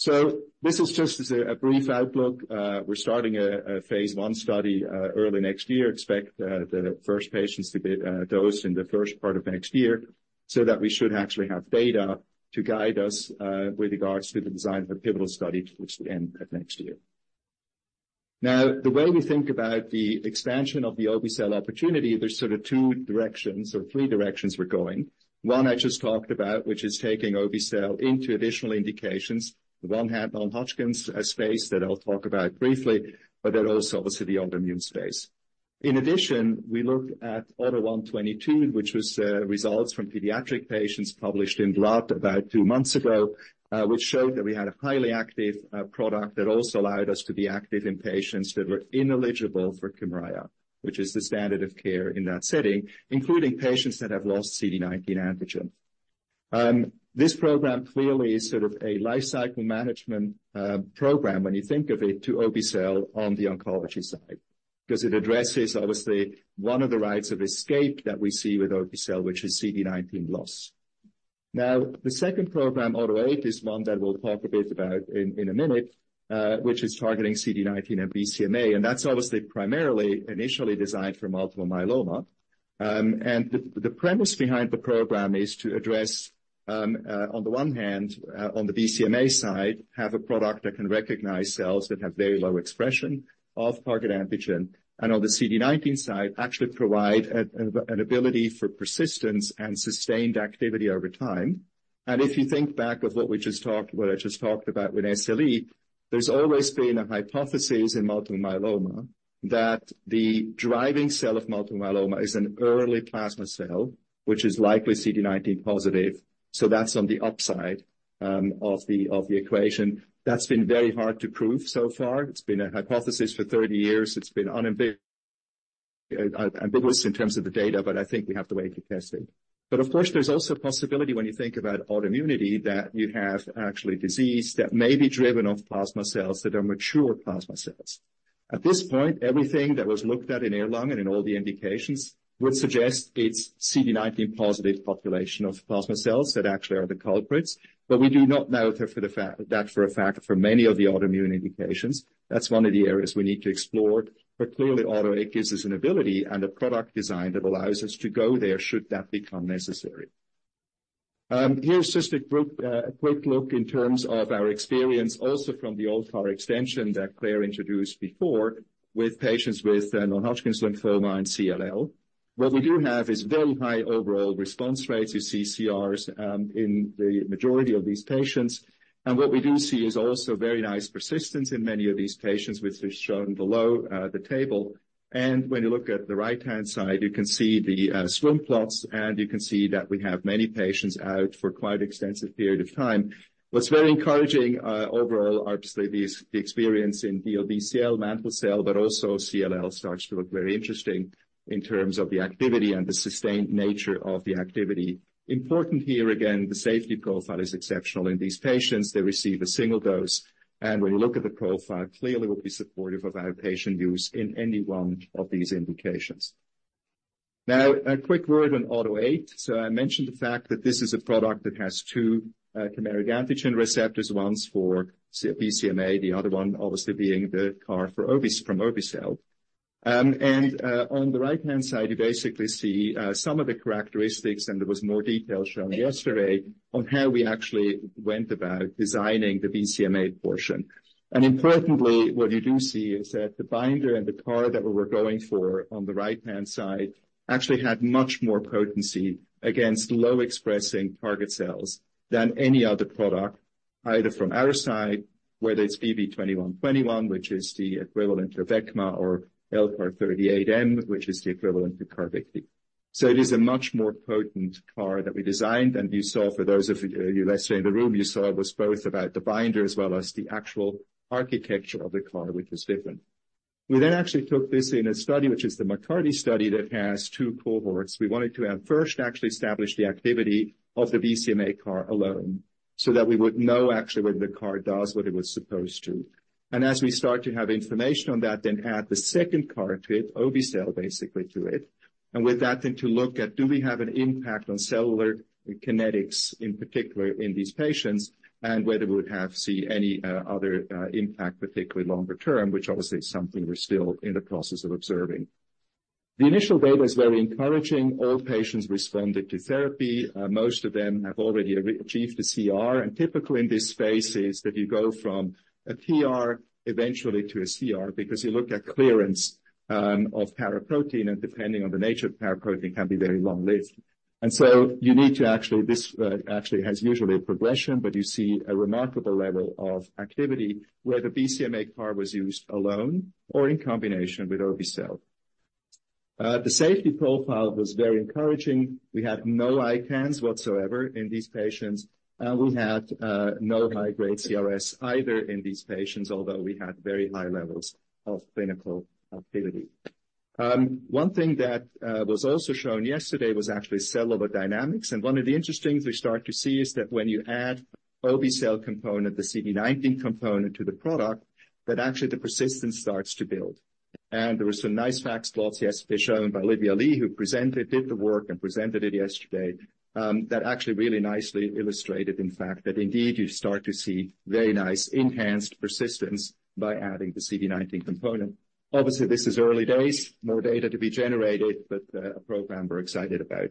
So this is just as a brief outlook. We're starting a phase one study early next year. Expect the first patients to get dosed in the first part of next year, so that we should actually have data to guide us with regards to the design of the pivotal study, which will end at next year. Now, the way we think about the expansion of the obe-cel opportunity, there's sort of two directions or three directions we're going. One I just talked about, which is taking obe-cel into additional indications. One on Hodgkin's space that I'll talk about briefly, but then also obviously the autoimmune space. In addition, we looked at AUTO1/22, which was results from pediatric patients published in Blood about two months ago, which showed that we had a highly active product that also allowed us to be active in patients that were ineligible for Kymriah, which is the standard of care in that setting, including patients that have lost CD19 antigen. This program clearly is sort of a lifecycle management program when you think of it, to obe-cel on the oncology side, because it addresses, obviously, one of the routes of escape that we see with obe-cel, which is CD19 loss. Now, the second program, AUTO8, is one that we'll talk a bit about in a minute, which is targeting CD19 and BCMA, and that's obviously primarily initially designed for multiple myeloma. And the premise behind the program is to address, on the one hand, on the BCMA side, have a product that can recognize cells that have very low expression of target antigen, and on the CD19 side, actually provide an ability for persistence and sustained activity over time. And if you think back of what we just talked, what I just talked about with SLE, there's always been a hypothesis in multiple myeloma that the driving cell of multiple myeloma is an early plasma cell, which is likely CD19 positive. So that's on the upside, of the equation. That's been very hard to prove so far. It's been a hypothesis for 30 years. It's been unambiguous in terms of the data, but I think we have the way to test it. But of course, there's also a possibility when you think about autoimmunity, that you have actually disease that may be driven off plasma cells that are mature plasma cells. At this point, everything that was looked at in Erlangen and in all the indications would suggest it's CD19 positive population of plasma cells that actually are the culprits, but we do not know that for a fact, for many of the autoimmune indications. That's one of the areas we need to explore. But clearly, AUTO8 gives us an ability and a product design that allows us to go there, should that become necessary. Here's just a quick look in terms of our experience, also from the ALLCAR extension that Claire introduced before, with patients with non-Hodgkin's lymphoma and CLL. What we do have is very high overall response rates. You see CRs in the majority of these patients. What we do see is also very nice persistence in many of these patients, which is shown below, the table. When you look at the right-hand side, you can see the swim plots, and you can see that we have many patients out for quite extensive period of time. What's very encouraging, overall, obviously, the experience in DLBCL mantle cell, but also CLL starts to look very interesting in terms of the activity and the sustained nature of the activity. Important here, again, the safety profile is exceptional in these patients. They receive a single dose, and when you look at the profile, clearly will be supportive of our patient use in any one of these indications. Now, a quick word on AUTO8. So I mentioned the fact that this is a product that has two chimeric antigen receptors, one's for BCMA, the other one obviously being the CAR for obe-cel. And, on the right-hand side, you basically see some of the characteristics, and there was more detail shown yesterday on how we actually went about designing the BCMA portion. And importantly, what you do see is that the binder and the CAR that we were going for on the right-hand side actually had much more potency against low-expressing target cells than any other product, either from our side, whether it's BB2121, which is the equivalent of Abecma, or LCAR-B38M, which is the equivalent to Carvykti. So it is a much more potent CAR that we designed, and you saw, for those of you, you yesterday in the room, you saw it was both about the binder as well as the actual architecture of the CAR, which was different. We then actually took this in a study, which is the MCARTY study, that has two cohorts. We wanted to first actually establish the activity of the BCMA CAR alone so that we would know actually whether the CAR does what it was supposed to. And as we start to have information on that, then add the second CAR to it, obe-cel, basically to it. With that, then to look at do we have an impact on cellular kinetics, in particular in these patients, and whether we would have seen any other impact, particularly longer term, which obviously is something we're still in the process of observing. The initial data is very encouraging. All patients responded to therapy. Most of them have already achieved a CR. Typical in this space is that you go from a PR eventually to a CR, because you look at clearance of paraprotein, and depending on the nature of the paraprotein, can be very long-lived. And so you need to actually... This actually has usually a progression, but you see a remarkable level of activity where the BCMA CAR was used alone or in combination with obe-cel. The safety profile was very encouraging. We had no ICANS whatsoever in these patients, and we had no high-grade CRS either in these patients, although we had very high levels of clinical activity. One thing that was also shown yesterday was actually cellular dynamics. One of the interesting things we start to see is that when you add obe-cel component, the CD19 component to the product, that actually the persistence starts to build. There were some nice FACS plots yesterday shown by Lydia Lee, who presented, did the work and presented it yesterday, that actually really nicely illustrated the fact that indeed, you start to see very nice enhanced persistence by adding the CD19 component. Obviously, this is early days, more data to be generated, but a program we're excited about.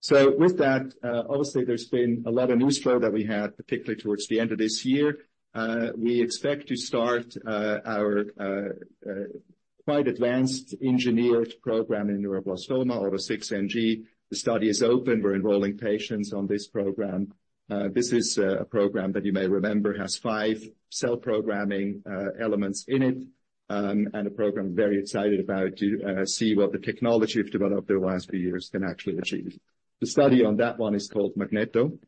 So with that, obviously, there's been a lot of news flow that we had, particularly towards the end of this year. We expect to start our quite advanced engineered program in neuroblastoma, AUTO6NG. The study is open. We're enrolling patients on this program. This is a program that you may remember has five cell programming elements in it, and a program we're very excited about to see what the technology we've developed over the last few years can actually achieve. The study on that one is called MAGNETO.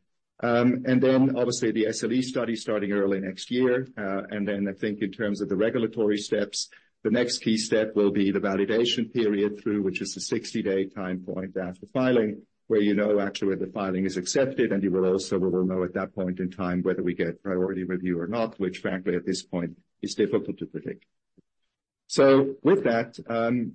And then obviously, the SLE study starting early next year. And then I think in terms of the regulatory steps, the next key step will be the validation period through which is a 60-day time point after filing, where you know actually whether the filing is accepted, and you will also know at that point in time whether we get priority review or not, which frankly, at this point is difficult to predict. So with that,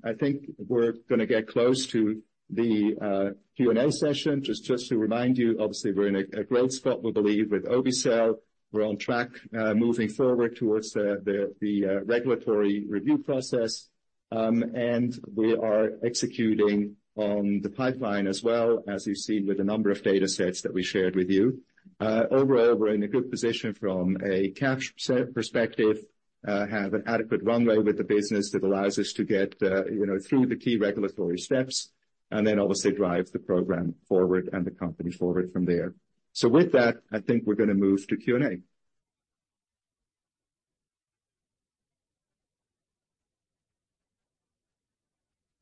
I think we're going to get close to the Q&A session. Just to remind you, obviously, we're in a great spot, we believe, with obe-cel. We're on track, moving forward towards the regulatory review process. And we are executing on the pipeline as well, as you've seen with a number of data sets that we shared with you. Overall, we're in a good position from a cash perspective, have an adequate runway with the business that allows us to get, you know, through the key regulatory steps and then obviously drive the program forward and the company forward from there. So with that, I think we're going to move to Q&A.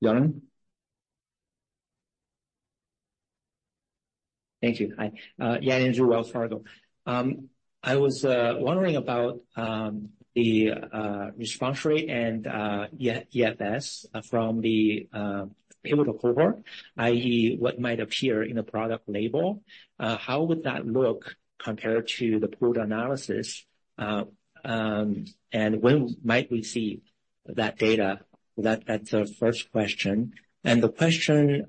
Yanan? Thank you. Hi, Yanan Zhu, Wells Fargo. I was wondering about the response rate and yes, EFS from the pivotal cohort, i.e., what might appear in the product label. How would that look compared to the pooled analysis? And when might we see that data? That's the first question. And the question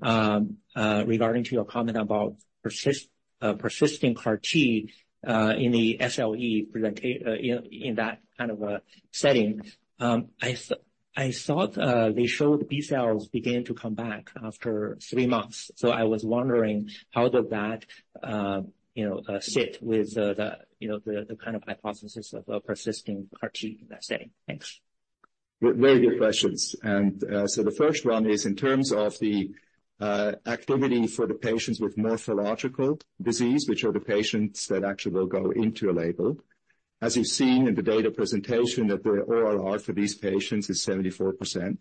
regarding to your comment about persisting CAR T in the SLE presentation in that kind of a setting, I thought they showed B cells began to come back after three months. So I was wondering, how does that sit with the kind of hypothesis of a persisting CAR T in that setting? Thanks. Very good questions. And so the first one is in terms of the activity for the patients with morphological disease, which are the patients that actually will go into a label. As you've seen in the data presentation, that the ORR for these patients is 74%.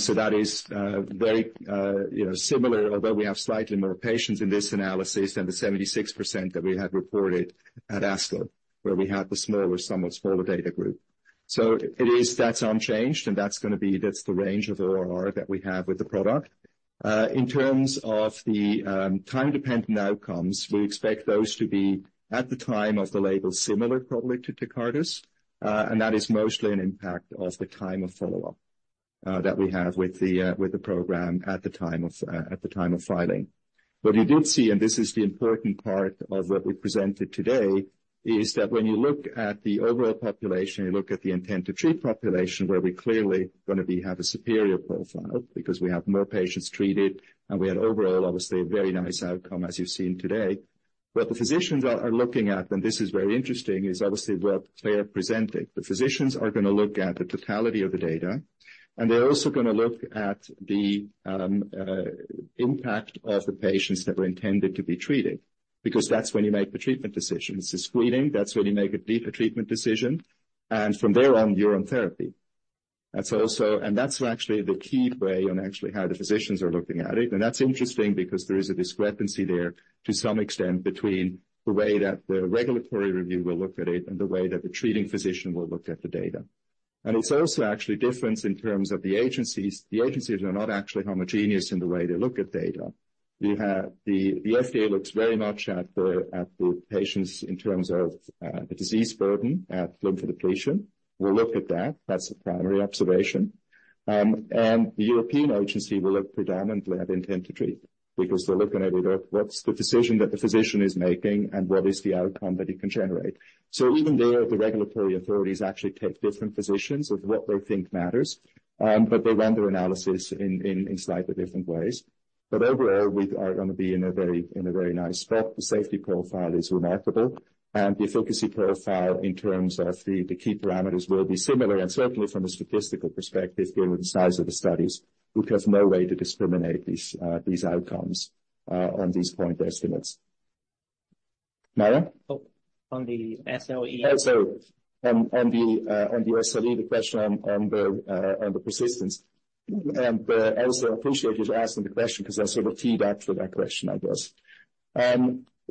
So that is very you know, similar, although we have slightly more patients in this analysis than the 76% that we had reported at ASCO, where we had the smaller, somewhat smaller data group. So it is, that's unchanged, and that's going to be, that's the range of ORR that we have with the product. In terms of the time-dependent outcomes, we expect those to be at the time of the label, similar probably to Tecartus, and that is mostly an impact of the time of follow-up. that we have with the, with the program at the time of, at the time of filing. What we did see, and this is the important part of what we presented today, is that when you look at the overall population, you look at the intent-to-treat population, where we clearly going to be, have a superior profile because we have more patients treated and we had overall, obviously, a very nice outcome, as you've seen today. What the physicians are, are looking at, and this is very interesting, is obviously what Claire presented. The physicians are going to look at the totality of the data, and they're also going to look at the, impact of the patients that were intended to be treated, because that's when you make the treatment decisions. It's screening, that's when you make a deeper treatment decision, and from there on, you're on therapy. That's also, and that's actually the key way on actually how the physicians are looking at it. That's interesting because there is a discrepancy there to some extent, between the way that the regulatory review will look at it and the way that the treating physician will look at the data. It's also actually different in terms of the agencies. The agencies are not actually homogeneous in the way they look at data. You have the, the FDA looks very much at the, at the patients in terms of, the disease burden at lymphodepletion. We'll look at that. That's the primary observation. And the European agency will look predominantly at intent to treat, because they're looking at it, at what's the decision that the physician is making and what is the outcome that it can generate. So even there, the regulatory authorities actually take different positions of what they think matters, but they run their analysis in slightly different ways. But overall, we are going to be in a very nice spot. The safety profile is remarkable, and the efficacy profile, in terms of the key parameters, will be similar, and certainly from a statistical perspective, given the size of the studies, we have no way to discriminate these outcomes on these point estimates. Mara? Oh, on the SLE. So on the SLE, the question on the persistence. And I also appreciate you asking the question because I sort of teed up for that question, I guess.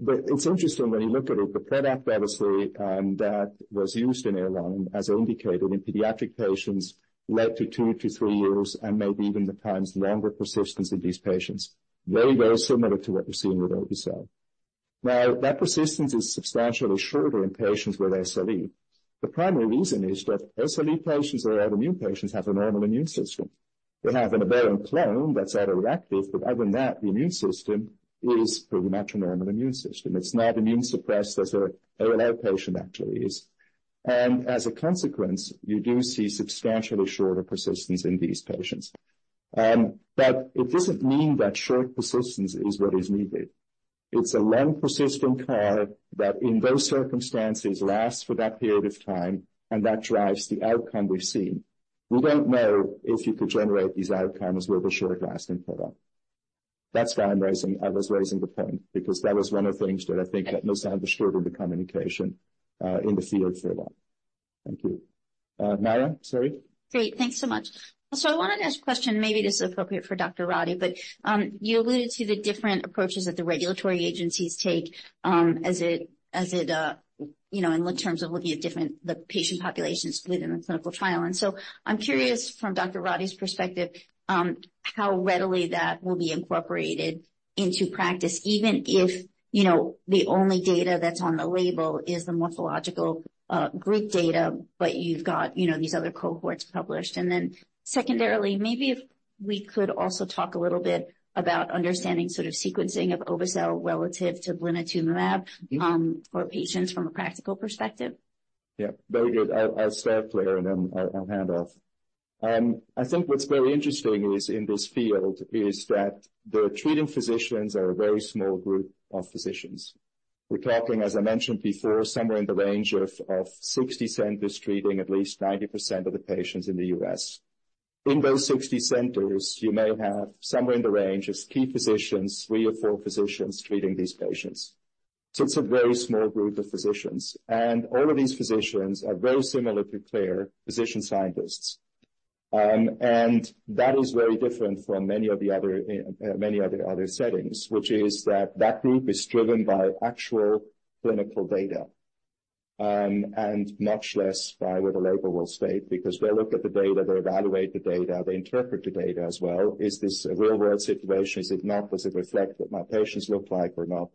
But it's interesting when you look at it, the product, obviously, that was used in ELIANA as indicated in pediatric patients led to two-three years and maybe even ten times longer persistence in these patients, very, very similar to what we're seeing with obe-cel. Now, that persistence is substantially shorter in patients with SLE. The primary reason is that SLE patients or autoimmune patients have a normal immune system. They have an aberrant clone that's autoactive, but other than that, the immune system is pretty much a normal immune system. It's not immune suppressed as an ALL patient actually is. As a consequence, you do see substantially shorter persistence in these patients. But it doesn't mean that short persistence is what is needed. It's a long, persistent CAR that, in those circumstances, lasts for that period of time, and that drives the outcome we've seen. We don't know if you could generate these outcomes with a short-lasting product. That's why I'm raising-- I was raising the point, because that was one of the things that I think that must have been short in the communication, in the field for that. Thank you. [Mara]? Sorry. Great, thanks so much. So I wanted to ask a question. Maybe this is appropriate for Dr. Roddie, but you alluded to the different approaches that the regulatory agencies take, as it, you know, in terms of looking at different, the patient populations within a clinical trial. And so I'm curious, from Dr. Roddie's perspective, how readily that will be incorporated into practice, even if, you know, the only data that's on the label is the morphological group data, but you've got, you know, these other cohorts published. And then secondarily, maybe if we could also talk a little bit about understanding sort of sequencing of obe-cel relative to blinatumomab, for patients from a practical perspective. Yeah, very good. I'll, I'll start, Claire, and then I'll, I'll hand off. I think what's very interesting is, in this field, is that the treating physicians are a very small group of physicians. We're talking, as I mentioned before, somewhere in the range of 60 centers treating at least 90% of the patients in the U.S. In those 60 centers, you may have somewhere in the range of key physicians, three or four physicians treating these patients. So it's a very small group of physicians, and all of these physicians are very similar to Claire, physician scientists. And that is very different from many of the other, many of the other settings, which is that that group is driven by actual clinical data, and much less by what the label will state, because they look at the data, they evaluate the data, they interpret the data as well. Is this a real-world situation? Is it not? Does it reflect what my patients look like or not?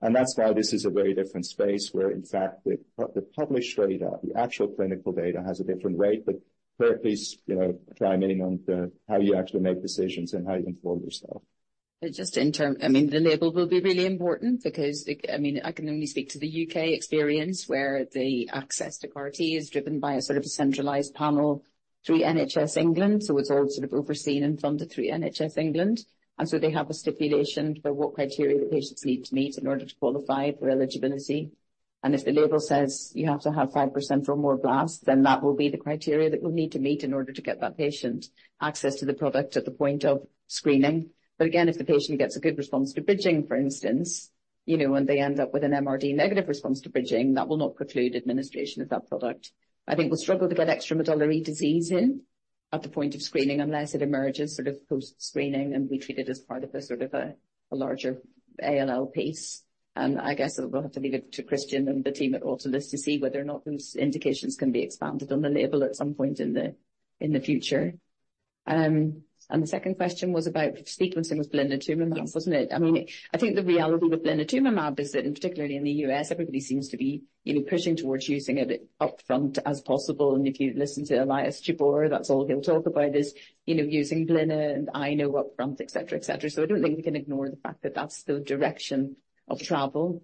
And that's why this is a very different space, where in fact, the, the published data, the actual clinical data, has a different weight. But Claire, please chime in on the, how you actually make decisions and how you inform yourself. I mean, the label will be really important because, I mean, I can only speak to the UK experience, where the access to CAR T is driven by a sort of a centralized panel through NHS England. So it's all sort of overseen and funded through NHS England. And so they have a stipulation for what criteria the patients need to meet in order to qualify for eligibility. And if the label says you have to have 5% or more blast, then that will be the criteria that we'll need to meet in order to get that patient access to the product at the point of screening. But again, if the patient gets a good response to bridging, for instance, you know, and they end up with an MRD negative response to bridging, that will not preclude administration of that product. I think we'll struggle to get extramedullary disease in at the point of screening, unless it emerges sort of post-screening, and we treat it as part of a sort of larger ALL piece. And I guess we'll have to leave it to Christian and the team at Autolus to see whether or not those indications can be expanded on the label at some point in the future. And the second question was about sequencing with blinatumomab- Yes. Wasn't it? I mean, I think the reality with blinatumomab is that, and particularly in the U.S., everybody seems to be, you know, pushing towards using it as upfront as possible. And if you listen to Elias Jabbour, that's all he'll talk about is, you know, using blin and I know upfront, et cetera, et cetera. So I don't think we can ignore the fact that that's the direction of travel,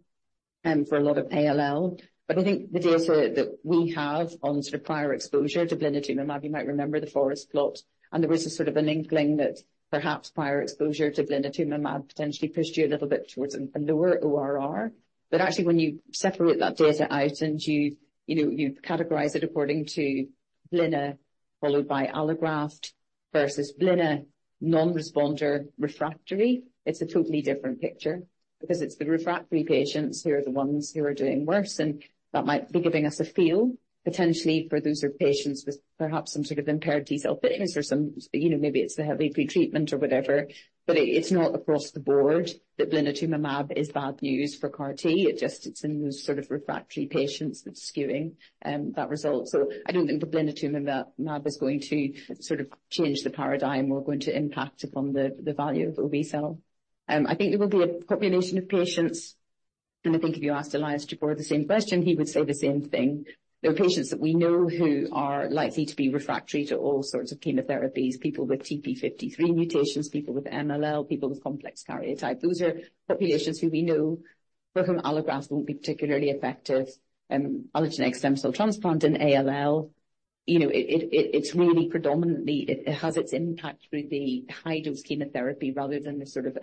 for a lot of ALL. But I think the data that we have on sort of prior exposure to blinatumomab, you might remember the forest plot, and there was a sort of an inkling that perhaps prior exposure to blinatumomab potentially pushed you a little bit towards a lower ORR. But actually, when you separate that data out and you, you know, you categorize it according to blinatumomab followed by allograft versus blinatumomab non-responder refractory, it's a totally different picture because it's the refractory patients who are the ones who are doing worse, and that might be giving us a feel potentially for those are patients with perhaps some sort of impaired T-cell fitness or some, you know, maybe it's the heavily pre-treatment or whatever, but it, it's not across the board that blinatumomab is bad news for CAR T. It just, it's in those sort of refractory patients that's skewing that result. So I don't think the blinatumomab is going to sort of change the paradigm or going to impact upon the, the value of obe-cel. I think there will be a population of patients, and I think if you asked Elias Jabbour the same question, he would say the same thing. There are patients that we know who are likely to be refractory to all sorts of chemotherapies. People with TP53 mutations, people with MLL, people with complex karyotype. Those are populations who we know, for whom allograft won't be particularly effective, allogeneic stem cell transplant in ALL. You know, it, it's really predominantly, it has its impact through the high-dose chemotherapy rather than the sort of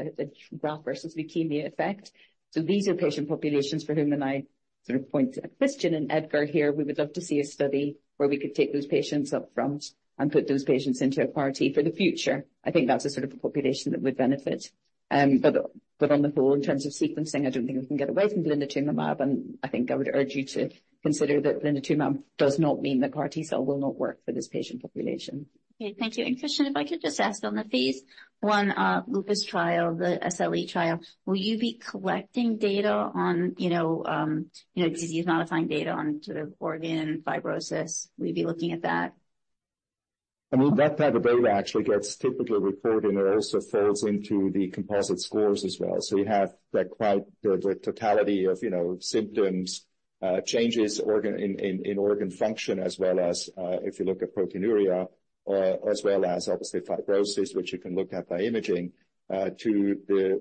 graft versus leukemia effect. So these are patient populations for whom and I sort of point to Christian and Edgar here, we would love to see a study where we could take those patients up front and put those patients into a CAR T. For the future, I think that's a sort of a population that would benefit. But on the whole, in terms of sequencing, I don't think we can get away from blinatumomab, and I think I would urge you to consider that blinatumomab does not mean that CAR T cell will not work for this patient population. Okay, thank you. And Christian, if I could just ask on the phase I, lupus trial, the SLE trial, will you be collecting data on, you know, you know, disease-modifying data on sort of organ fibrosis? Will you be looking at that? I mean, that type of data actually gets typically reported and also falls into the composite scores as well. So you have the totality of, you know, symptoms, changes in organ function, as well as if you look at proteinuria, as well as obviously fibrosis, which you can look at by imaging too,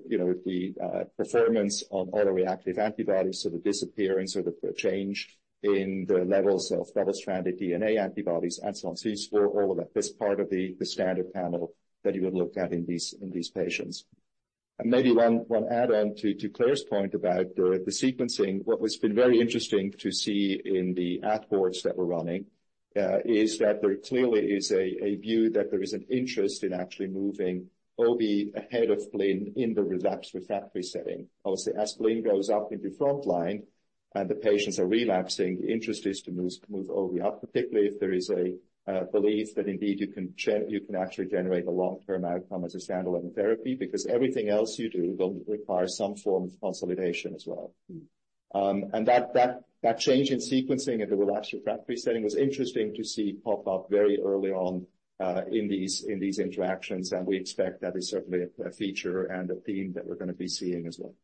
you know, the performance on alloreactive antibodies. So the disappearance or the change in the levels of double-stranded DNA antibodies, antinuclear antibodies, all of that, this part of the standard panel that you would look at in these patients. And maybe one add-on to Claire's point about the sequencing. What has been very interesting to see in the ad boards that we're running is that there clearly is a view that there is an interest in actually moving obi ahead of blin in the relapsed refractory setting. Obviously, as blin goes up into frontline and the patients are relapsing, the interest is to move obi up, particularly if there is a belief that indeed you can actually generate a long-term outcome as a standalone therapy, because everything else you do will require some form of consolidation as well. And that change in sequencing in the relapsed refractory setting was interesting to see pop up very early on in these interactions, and we expect that is certainly a feature and a theme that we're going to be seeing as well.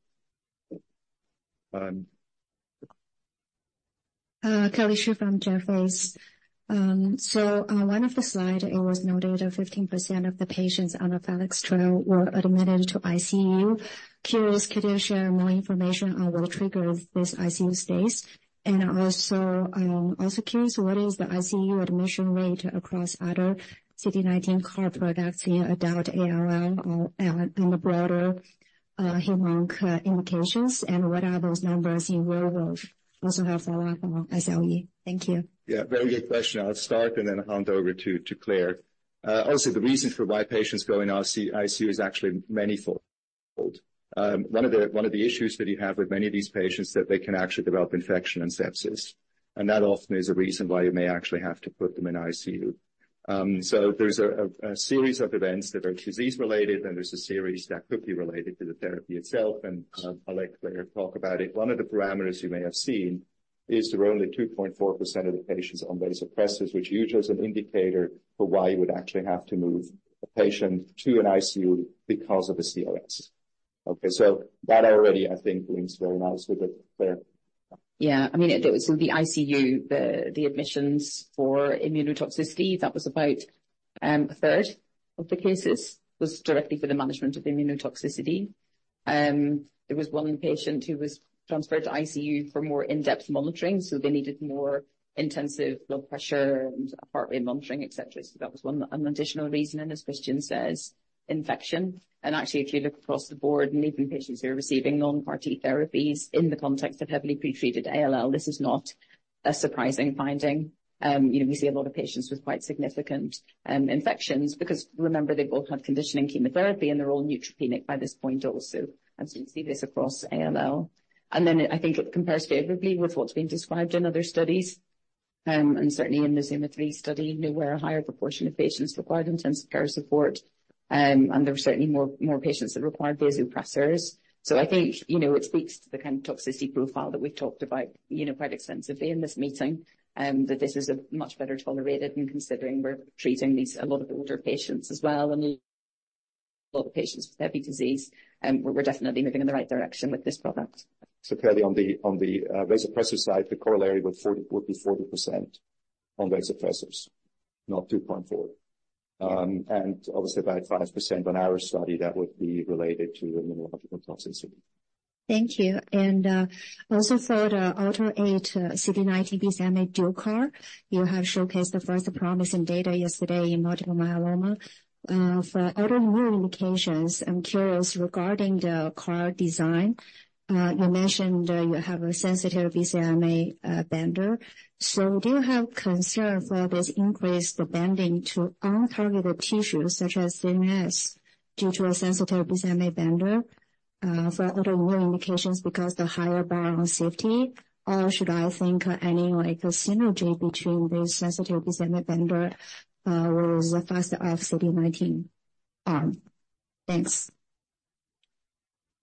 Kelly Shi from Jefferies. So, one of the slide, it was noted that 15% of the patients on the FELIX trial were admitted to ICU. Curious, could you share more information on what triggered this ICU stays? And also, also curious, what is the ICU admission rate across other CD19 CAR products in adult ALL or in the broader, hem-onc, indications, and what are those numbers in what we also have for SLE. Thank you. Yeah, very good question. I'll start and then hand over to Claire. Also, the reasons for why patients go in ICU is actually manifold. One of the issues that you have with many of these patients, that they can actually develop infection and sepsis, and that often is a reason why you may actually have to put them in ICU. So there's a series of events that are disease-related, and there's a series that could be related to the therapy itself, and I'll let Claire talk about it. One of the parameters you may have seen is there are only 2.4% of the patients on vasopressors, which used as an indicator for why you would actually have to move a patient to an ICU because of a CRS. Okay, so that already I think links very nicely with Claire. Yeah, I mean, so the ICU, the admissions for immunotoxicity, that was about a third of the cases, was directly for the management of immunotoxicity. There was one patient who was transferred to ICU for more in-depth monitoring, so they needed more intensive blood pressure and heart rate monitoring, et cetera. So that was one, an additional reason, and as Christian says, infection. And actually, if you look across the board and even patients who are receiving non-CAR T therapies in the context of heavily pretreated ALL, this is not a surprising finding. You know, we see a lot of patients with quite significant infections because remember, they've all had conditioning chemotherapy, and they're all neutropenic by this point also, and so you see this across ALL. And then I think it compares favorably with what's been described in other studies, and certainly in the ZUMA-3 study, where a higher proportion of patients required intensive care support. And there were certainly more patients that required vasopressors. So I think, you know, it speaks to the kind of toxicity profile that we've talked about, you know, quite extensively in this meeting, that this is a much better tolerated, and considering we're treating these, a lot of older patients as well, and a lot of patients with heavy disease, and we're definitely moving in the right direction with this product. So clearly on the vasopressor side, the corollary with 40 would be 40% on vasopressors, not 2.4%. And obviously, about 5% on our study, that would be related to the immunological toxicity. Thank you. Also for the AUTO8 CD19 BCMA dual CAR, you have showcased the first promising data yesterday in multiple myeloma. For other new indications, I'm curious regarding the CAR design. You mentioned you have a sensitive BCMA binder. So do you have concern for this increased binding to untargeted tissues such as CNS due to a sensitive BCMA binder for other new indications because the higher bar on safety, or should I think any, like, synergy between this sensitive BCMA binder with a faster off CD19, thanks.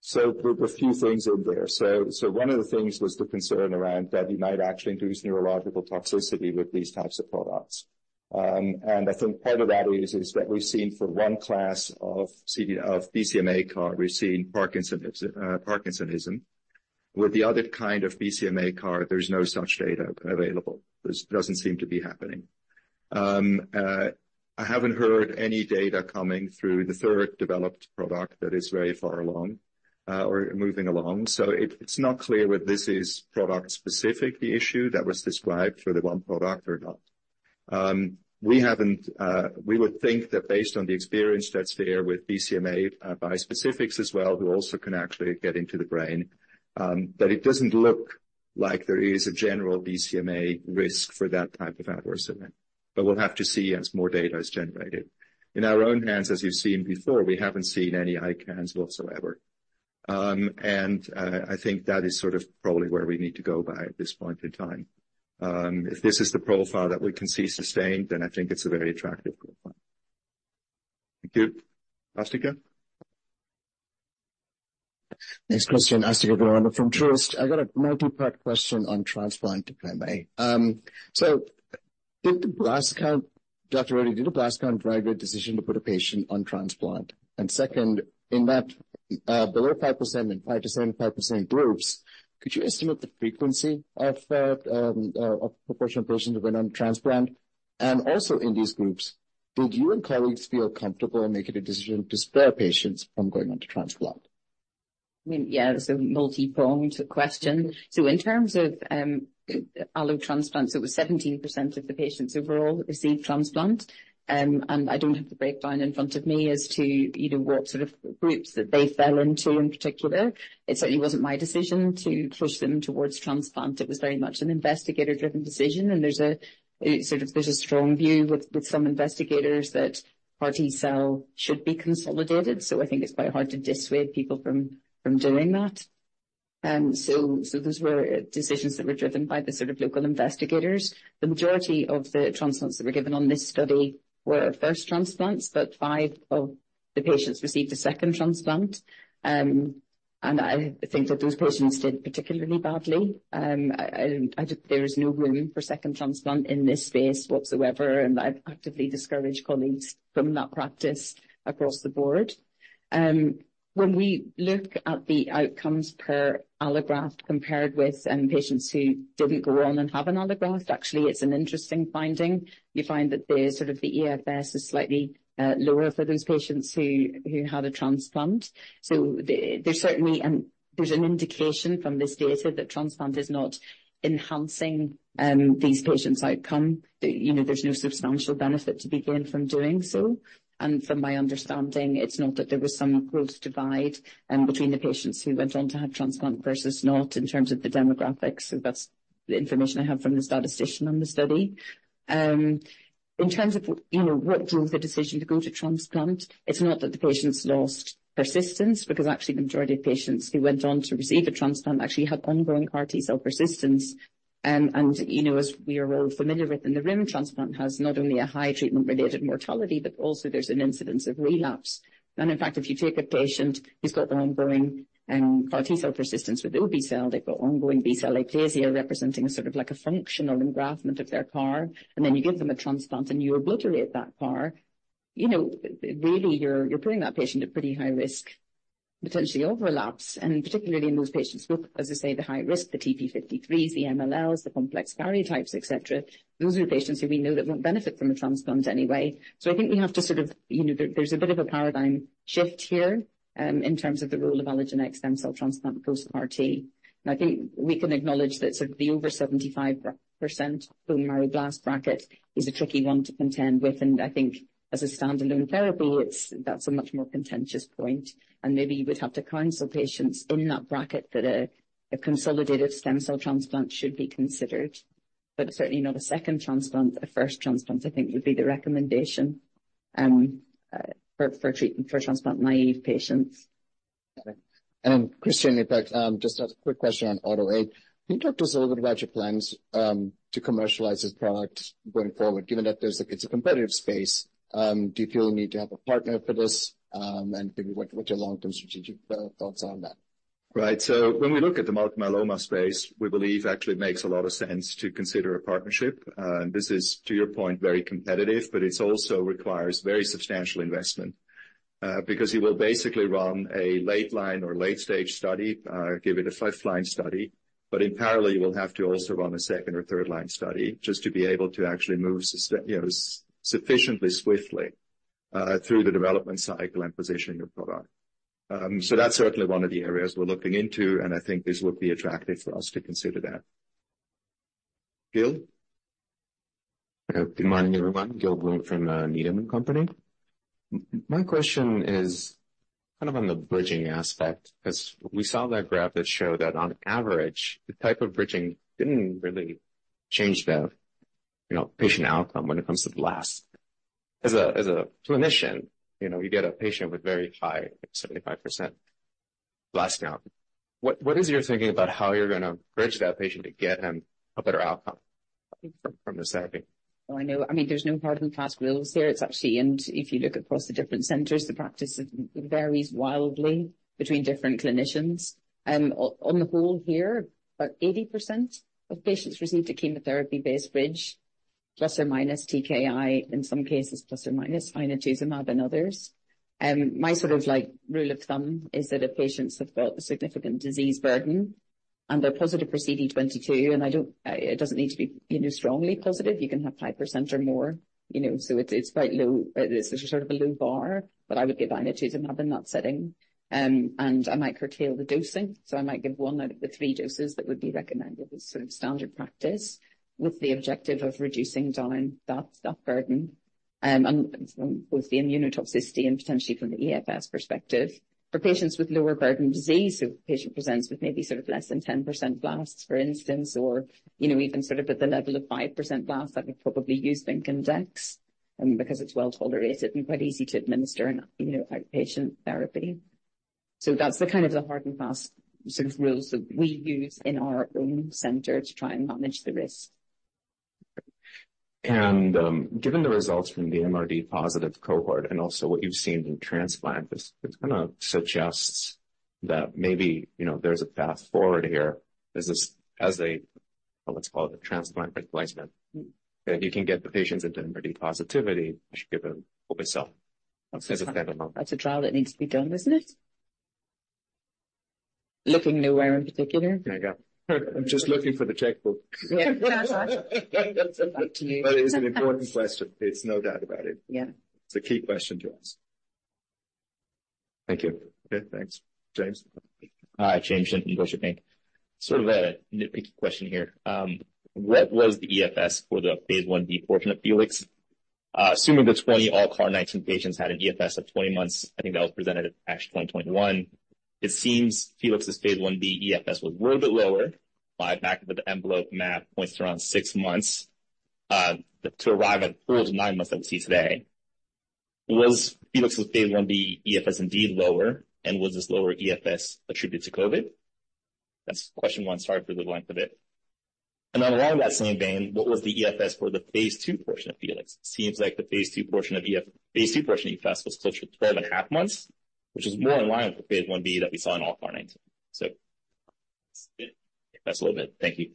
So there's a few things in there. One of the things was the concern around that you might actually induce neurological toxicity with these types of products. And I think part of that is that we've seen for one class of CD19 or BCMA CAR, we've seen Parkinsonism. With the other kind of BCMA CAR, there's no such data available. It doesn't seem to be happening. I haven't heard any data coming through the third developed product that is very far along or moving along, so it's not clear whether this is product-specific, the issue that was described for the one product or not. We haven't... We would think that based on the experience that's there with BCMA, bispecifics as well, who also can actually get into the brain, that it doesn't look like there is a general BCMA risk for that type of adverse event. But we'll have to see as more data is generated. In our own hands, as you've seen before, we haven't seen any ICANS whatsoever. And, I think that is sort of probably where we need to go by at this point in time. If this is the profile that we can see sustained, then I think it's a very attractive profile. Thank you. Asthika? Thanks, Christian. Asthika Goonewardene from Truist. I got a multi-part question on transplant to BCMA. So did the blast count, Dr. Roddie, did the blast count drive your decision to put a patient on transplant? And second, in that, below 5% and 5%-7% groups, could you estimate the frequency of, proportion of persons that went on transplant? And also, in these groups, did you and colleagues feel comfortable in making a decision to spare patients from going on to transplant? I mean, yeah, it's a multipronged question. So in terms of allogeneic transplants, it was 17% of the patients overall received transplant. And I don't have the breakdown in front of me as to, you know, what sort of groups that they fell into in particular. It certainly wasn't my decision to push them towards transplant. It was very much an investigator-driven decision, and a strong view with some investigators that CAR T cell should be consolidated. So I think it's quite hard to dissuade people from doing that. So those were decisions that were driven by the sort of local investigators. The majority of the transplants that were given on this study were first transplants, but five of the patients received a second transplant. And I think that those patients did particularly badly. I think there is no room for second transplant in this space whatsoever, and I've actively discouraged colleagues from that practice across the board. When we look at the outcomes per allograft compared with patients who didn't go on and have an allograft, actually, it's an interesting finding. You find that the sort of the EFS is slightly lower for those patients who had a transplant. So there's certainly an indication from this data that transplant is not enhancing these patients' outcome. You know, there's no substantial benefit to be gained from doing so. And from my understanding, it's not that there was some growth divide between the patients who went on to have transplant versus not, in terms of the demographics. So that's the information I have from the statistician on the study. In terms of, you know, what drives the decision to go to transplant, it's not that the patients lost persistence, because actually, the majority of patients who went on to receive a transplant actually had ongoing CAR T cell persistence. And you know, as we are all familiar with, in the realm, transplant has not only a high treatment-related mortality, but also there's an incidence of relapse. In fact, if you take a patient who's got an ongoing CAR T cell persistence with the obe-cel, they've got ongoing B-cell aplasia, representing a sort of like a functional engraftment of their CAR, and then you give them a transplant and you obliterate that CAR, you know, really, you're putting that patient at pretty high risk, potentially over relapse, and particularly in those patients with, as I say, the high risk, the TP53, the MLLs, the complex karyotypes, et cetera. Those are the patients who we know that won't benefit from a transplant anyway. So I think we have to sort of, you know... There's a bit of a paradigm shift here in terms of the role of allogeneic stem cell transplant post CAR T. I think we can acknowledge that sort of the over 75% bone marrow blast bracket is a tricky one to contend with, and I think as a standalone therapy, it's, that's a much more contentious point. Maybe you would have to counsel patients in that bracket that a consolidated stem cell transplant should be considered, but certainly not a second transplant. A first transplant, I think, would be the recommendation for transplant-naive patients.... Christian, in fact, just a quick question on AUTO1. Can you talk to us a little bit about your plans to commercialize this product going forward, given that there's a, it's a competitive space. Do you feel the need to have a partner for this? And maybe what, what's your long-term strategic thoughts on that? Right. So when we look at the multiple myeloma space, we believe actually it makes a lot of sense to consider a partnership. This is, to your point, very competitive, but it also requires very substantial investment, because you will basically run a late line or late-stage study, give it a fifth-line study. But in parallel, you will have to also run a second or third-line study just to be able to actually move you know, sufficiently swiftly, through the development cycle and position your product. So that's certainly one of the areas we're looking into, and I think this would be attractive for us to consider that. Gil? Good morning, everyone. Gil Blum from Needham & Company. My question is kind of on the bridging aspect, 'cause we saw that graph that showed that on average, the type of bridging didn't really change the, you know, patient outcome when it comes to blast. As a clinician, you know, you get a patient with very high, like 75% blast count. What is your thinking about how you're gonna bridge that patient to get him a better outcome from the therapy? Well, I know... I mean, there's no hard and fast rules here. It's actually, and if you look across the different centers, the practice varies wildly between different clinicians. On the whole here, about 80% of patients received a chemotherapy-based bridge, plus or minus TKI, in some cases, plus or minus inotuzumab and others. My sort of like rule of thumb is that if patients have got a significant disease burden and they're positive for CD22, and it doesn't need to be, you know, strongly positive. You can have 5% or more, you know, so it's quite low. There's a sort of a low bar, but I would give inotuzumab in that setting, and I might curtail the dosing. So I might give one out of the three doses that would be recommended as sort of standard practice, with the objective of reducing down that burden, and both the immunotoxicity and potentially from the EFS perspective. For patients with lower burden disease, if a patient presents with maybe sort of less than 10% blasts, for instance, or you know, even sort of at the level of 5% blasts, I would probably use Blincyto, because it's well-tolerated and quite easy to administer an, you know, outpatient therapy. So that's the kind of hard and fast sort of rules that we use in our own center to try and manage the risk. Given the results from the MRD positive cohort and also what you've seen from transplant, this kind of suggests that maybe, you know, there's a path forward here. This is as a, let's call it a transplant replacement, that you can get the patients into MRD positivity, I should give them hope itself. That's a trial that needs to be done, isn't it? Looking nowhere in particular. There you go. I'm just looking for the checkbook. Yeah. That's up to you. But it is an important question. It's no doubt about it. Yeah. It's a key question to ask. Thank you. Okay, thanks. James? Hi, James Shin from Goldman Sachs. Sort of a nitpicky question here. What was the EFS for the phase Ib portion of FELIX? Assuming the 20 ALLCAR19 patients had an EFS of 20 months, I think that was presented at ASH 2021. It seems FELIX's phase Ib EFS was a little bit lower. By back-of-the-envelope math points to around 6 months to arrive at the pooled 9 months that we see today. Was FELIX's phase Ib EFS indeed lower, and was this lower EFS attributed to COVID? That's question one. Sorry for the length of it. Along that same vein, what was the EFS for the phase I portion of FELIX? It seems like the phase I portion of EFS was close to 12.5 months, which is more in line with the phase Ib that we saw in ALLCAR19. So that's a little bit. Thank you.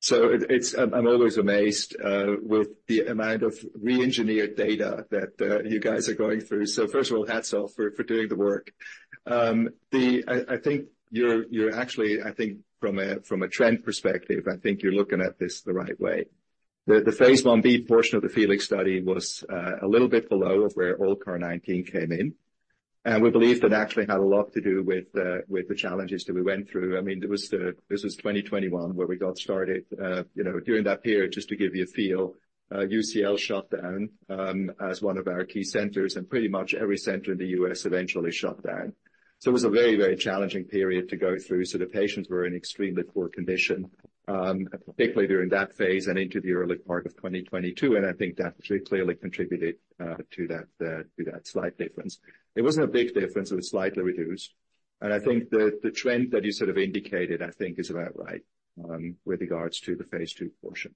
So it's. I'm always amazed with the amount of reengineered data that you guys are going through. So first of all, hats off for doing the work. I think you're actually, I think from a trend perspective, I think you're looking at this the right way. The phase Ib portion of the FELIX study was a little bit below where ALLCAR19 came in, and we believe that actually had a lot to do with the challenges that we went through. I mean, this was 2021, where we got started. You know, during that period, just to give you a feel, UCL shut down as one of our key centers, and pretty much every center in the U.S. eventually shut down. So it was a very, very challenging period to go through. So the patients were in extremely poor condition, particularly during that phase and into the early part of 2022, and I think that actually clearly contributed to that slight difference. It wasn't a big difference. It was slightly reduced. And I think the trend that you sort of indicated, I think, is about right, with regards to the phase II portion.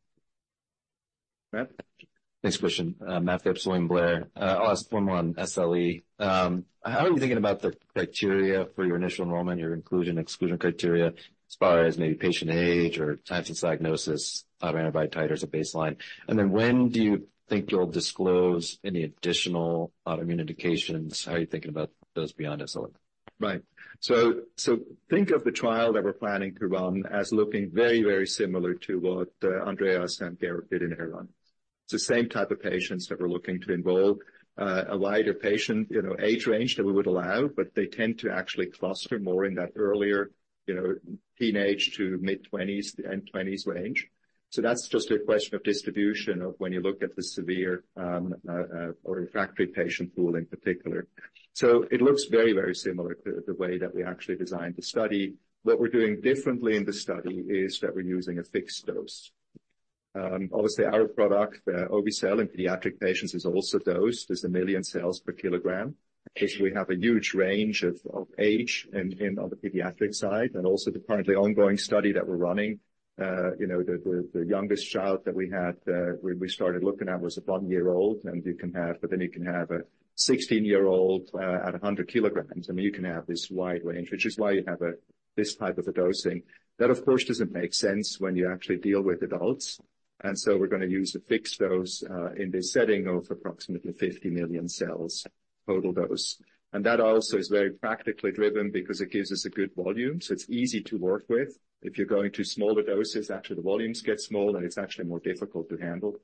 Matt? Thanks, Christian. Matthew, William Blair. I'll ask one more on SLE. How are you thinking about the criteria for your initial enrollment, your inclusion, exclusion criteria, as far as maybe patient age or time to diagnosis of anti-titers at baseline? And then when do you think you'll disclose any additional autoimmune indications? How are you thinking about those beyond SLE? Right. So think of the trial that we're planning to run as looking very, very similar to what Andreas and [Garrett] did in Erlangen. It's the same type of patients that we're looking to enroll. A wider patient, you know, age range that we would allow, but they tend to actually cluster more in that earlier, you know, teenage to mid-twenties and twenties range. So that's just a question of distribution of when you look at the severe or refractory patient pool in particular. So it looks very, very similar to the way that we actually designed the study. What we're doing differently in this study is that we're using a fixed dose. Obviously, our product, obe-cel in pediatric patients, is also dosed. There's 1 million cells per kilogram. Actually, we have a huge range of ages on the pediatric side, and also the currently ongoing study that we're running. You know, the youngest child that we had when we started looking at was a one-year-old, and you can have, but then you can have a sixteen-year-old at 100 kg. I mean, you can have this wide range, which is why you have this type of dosing. That, of course, doesn't make sense when you actually deal with adults, and so we're gonna use a fixed dose in this setting of approximately 50 million cells, total dose. And that also is very practically driven because it gives us a good volume, so it's easy to work with. If you're going to smaller doses, actually, the volumes get small, and it's actually more difficult to handle.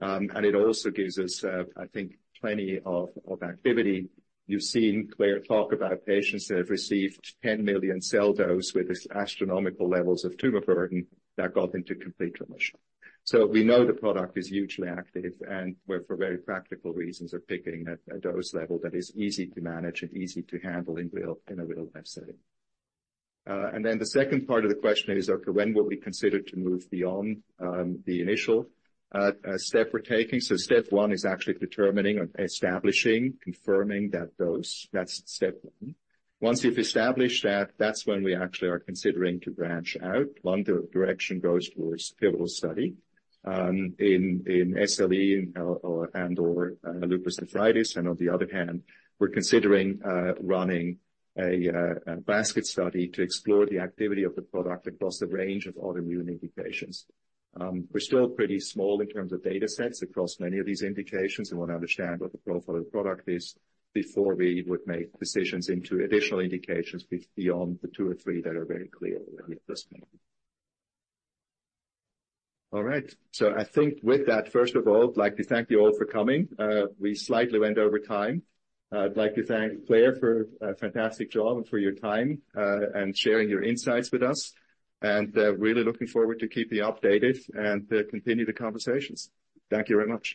And it also gives us, I think, plenty of activity. You've seen Claire talk about patients that have received 10 million cell dose with these astronomical levels of tumor burden that got into complete remission. So we know the product is hugely active, and we're, for very practical reasons, are picking a dose level that is easy to manage and easy to handle in a real-life setting. And then the second part of the question is, okay, when will we consider to move beyond the initial step we're taking? So step one is actually determining and establishing, confirming that dose. That's step one. Once you've established that, that's when we actually are considering to branch out. One direction goes towards pivotal study in SLE and/or lupus nephritis. On the other hand, we're considering running a basket study to explore the activity of the product across the range of autoimmune indications. We're still pretty small in terms of data sets across many of these indications and want to understand what the profile of the product is before we would make decisions into additional indications beyond the two or three that are very clear at this point. All right. So I think with that, first of all, I'd like to thank you all for coming. We slightly went over time. I'd like to thank Claire for a fantastic job and for your time, and sharing your insights with us, and really looking forward to keep you updated and continue the conversations. Thank you very much.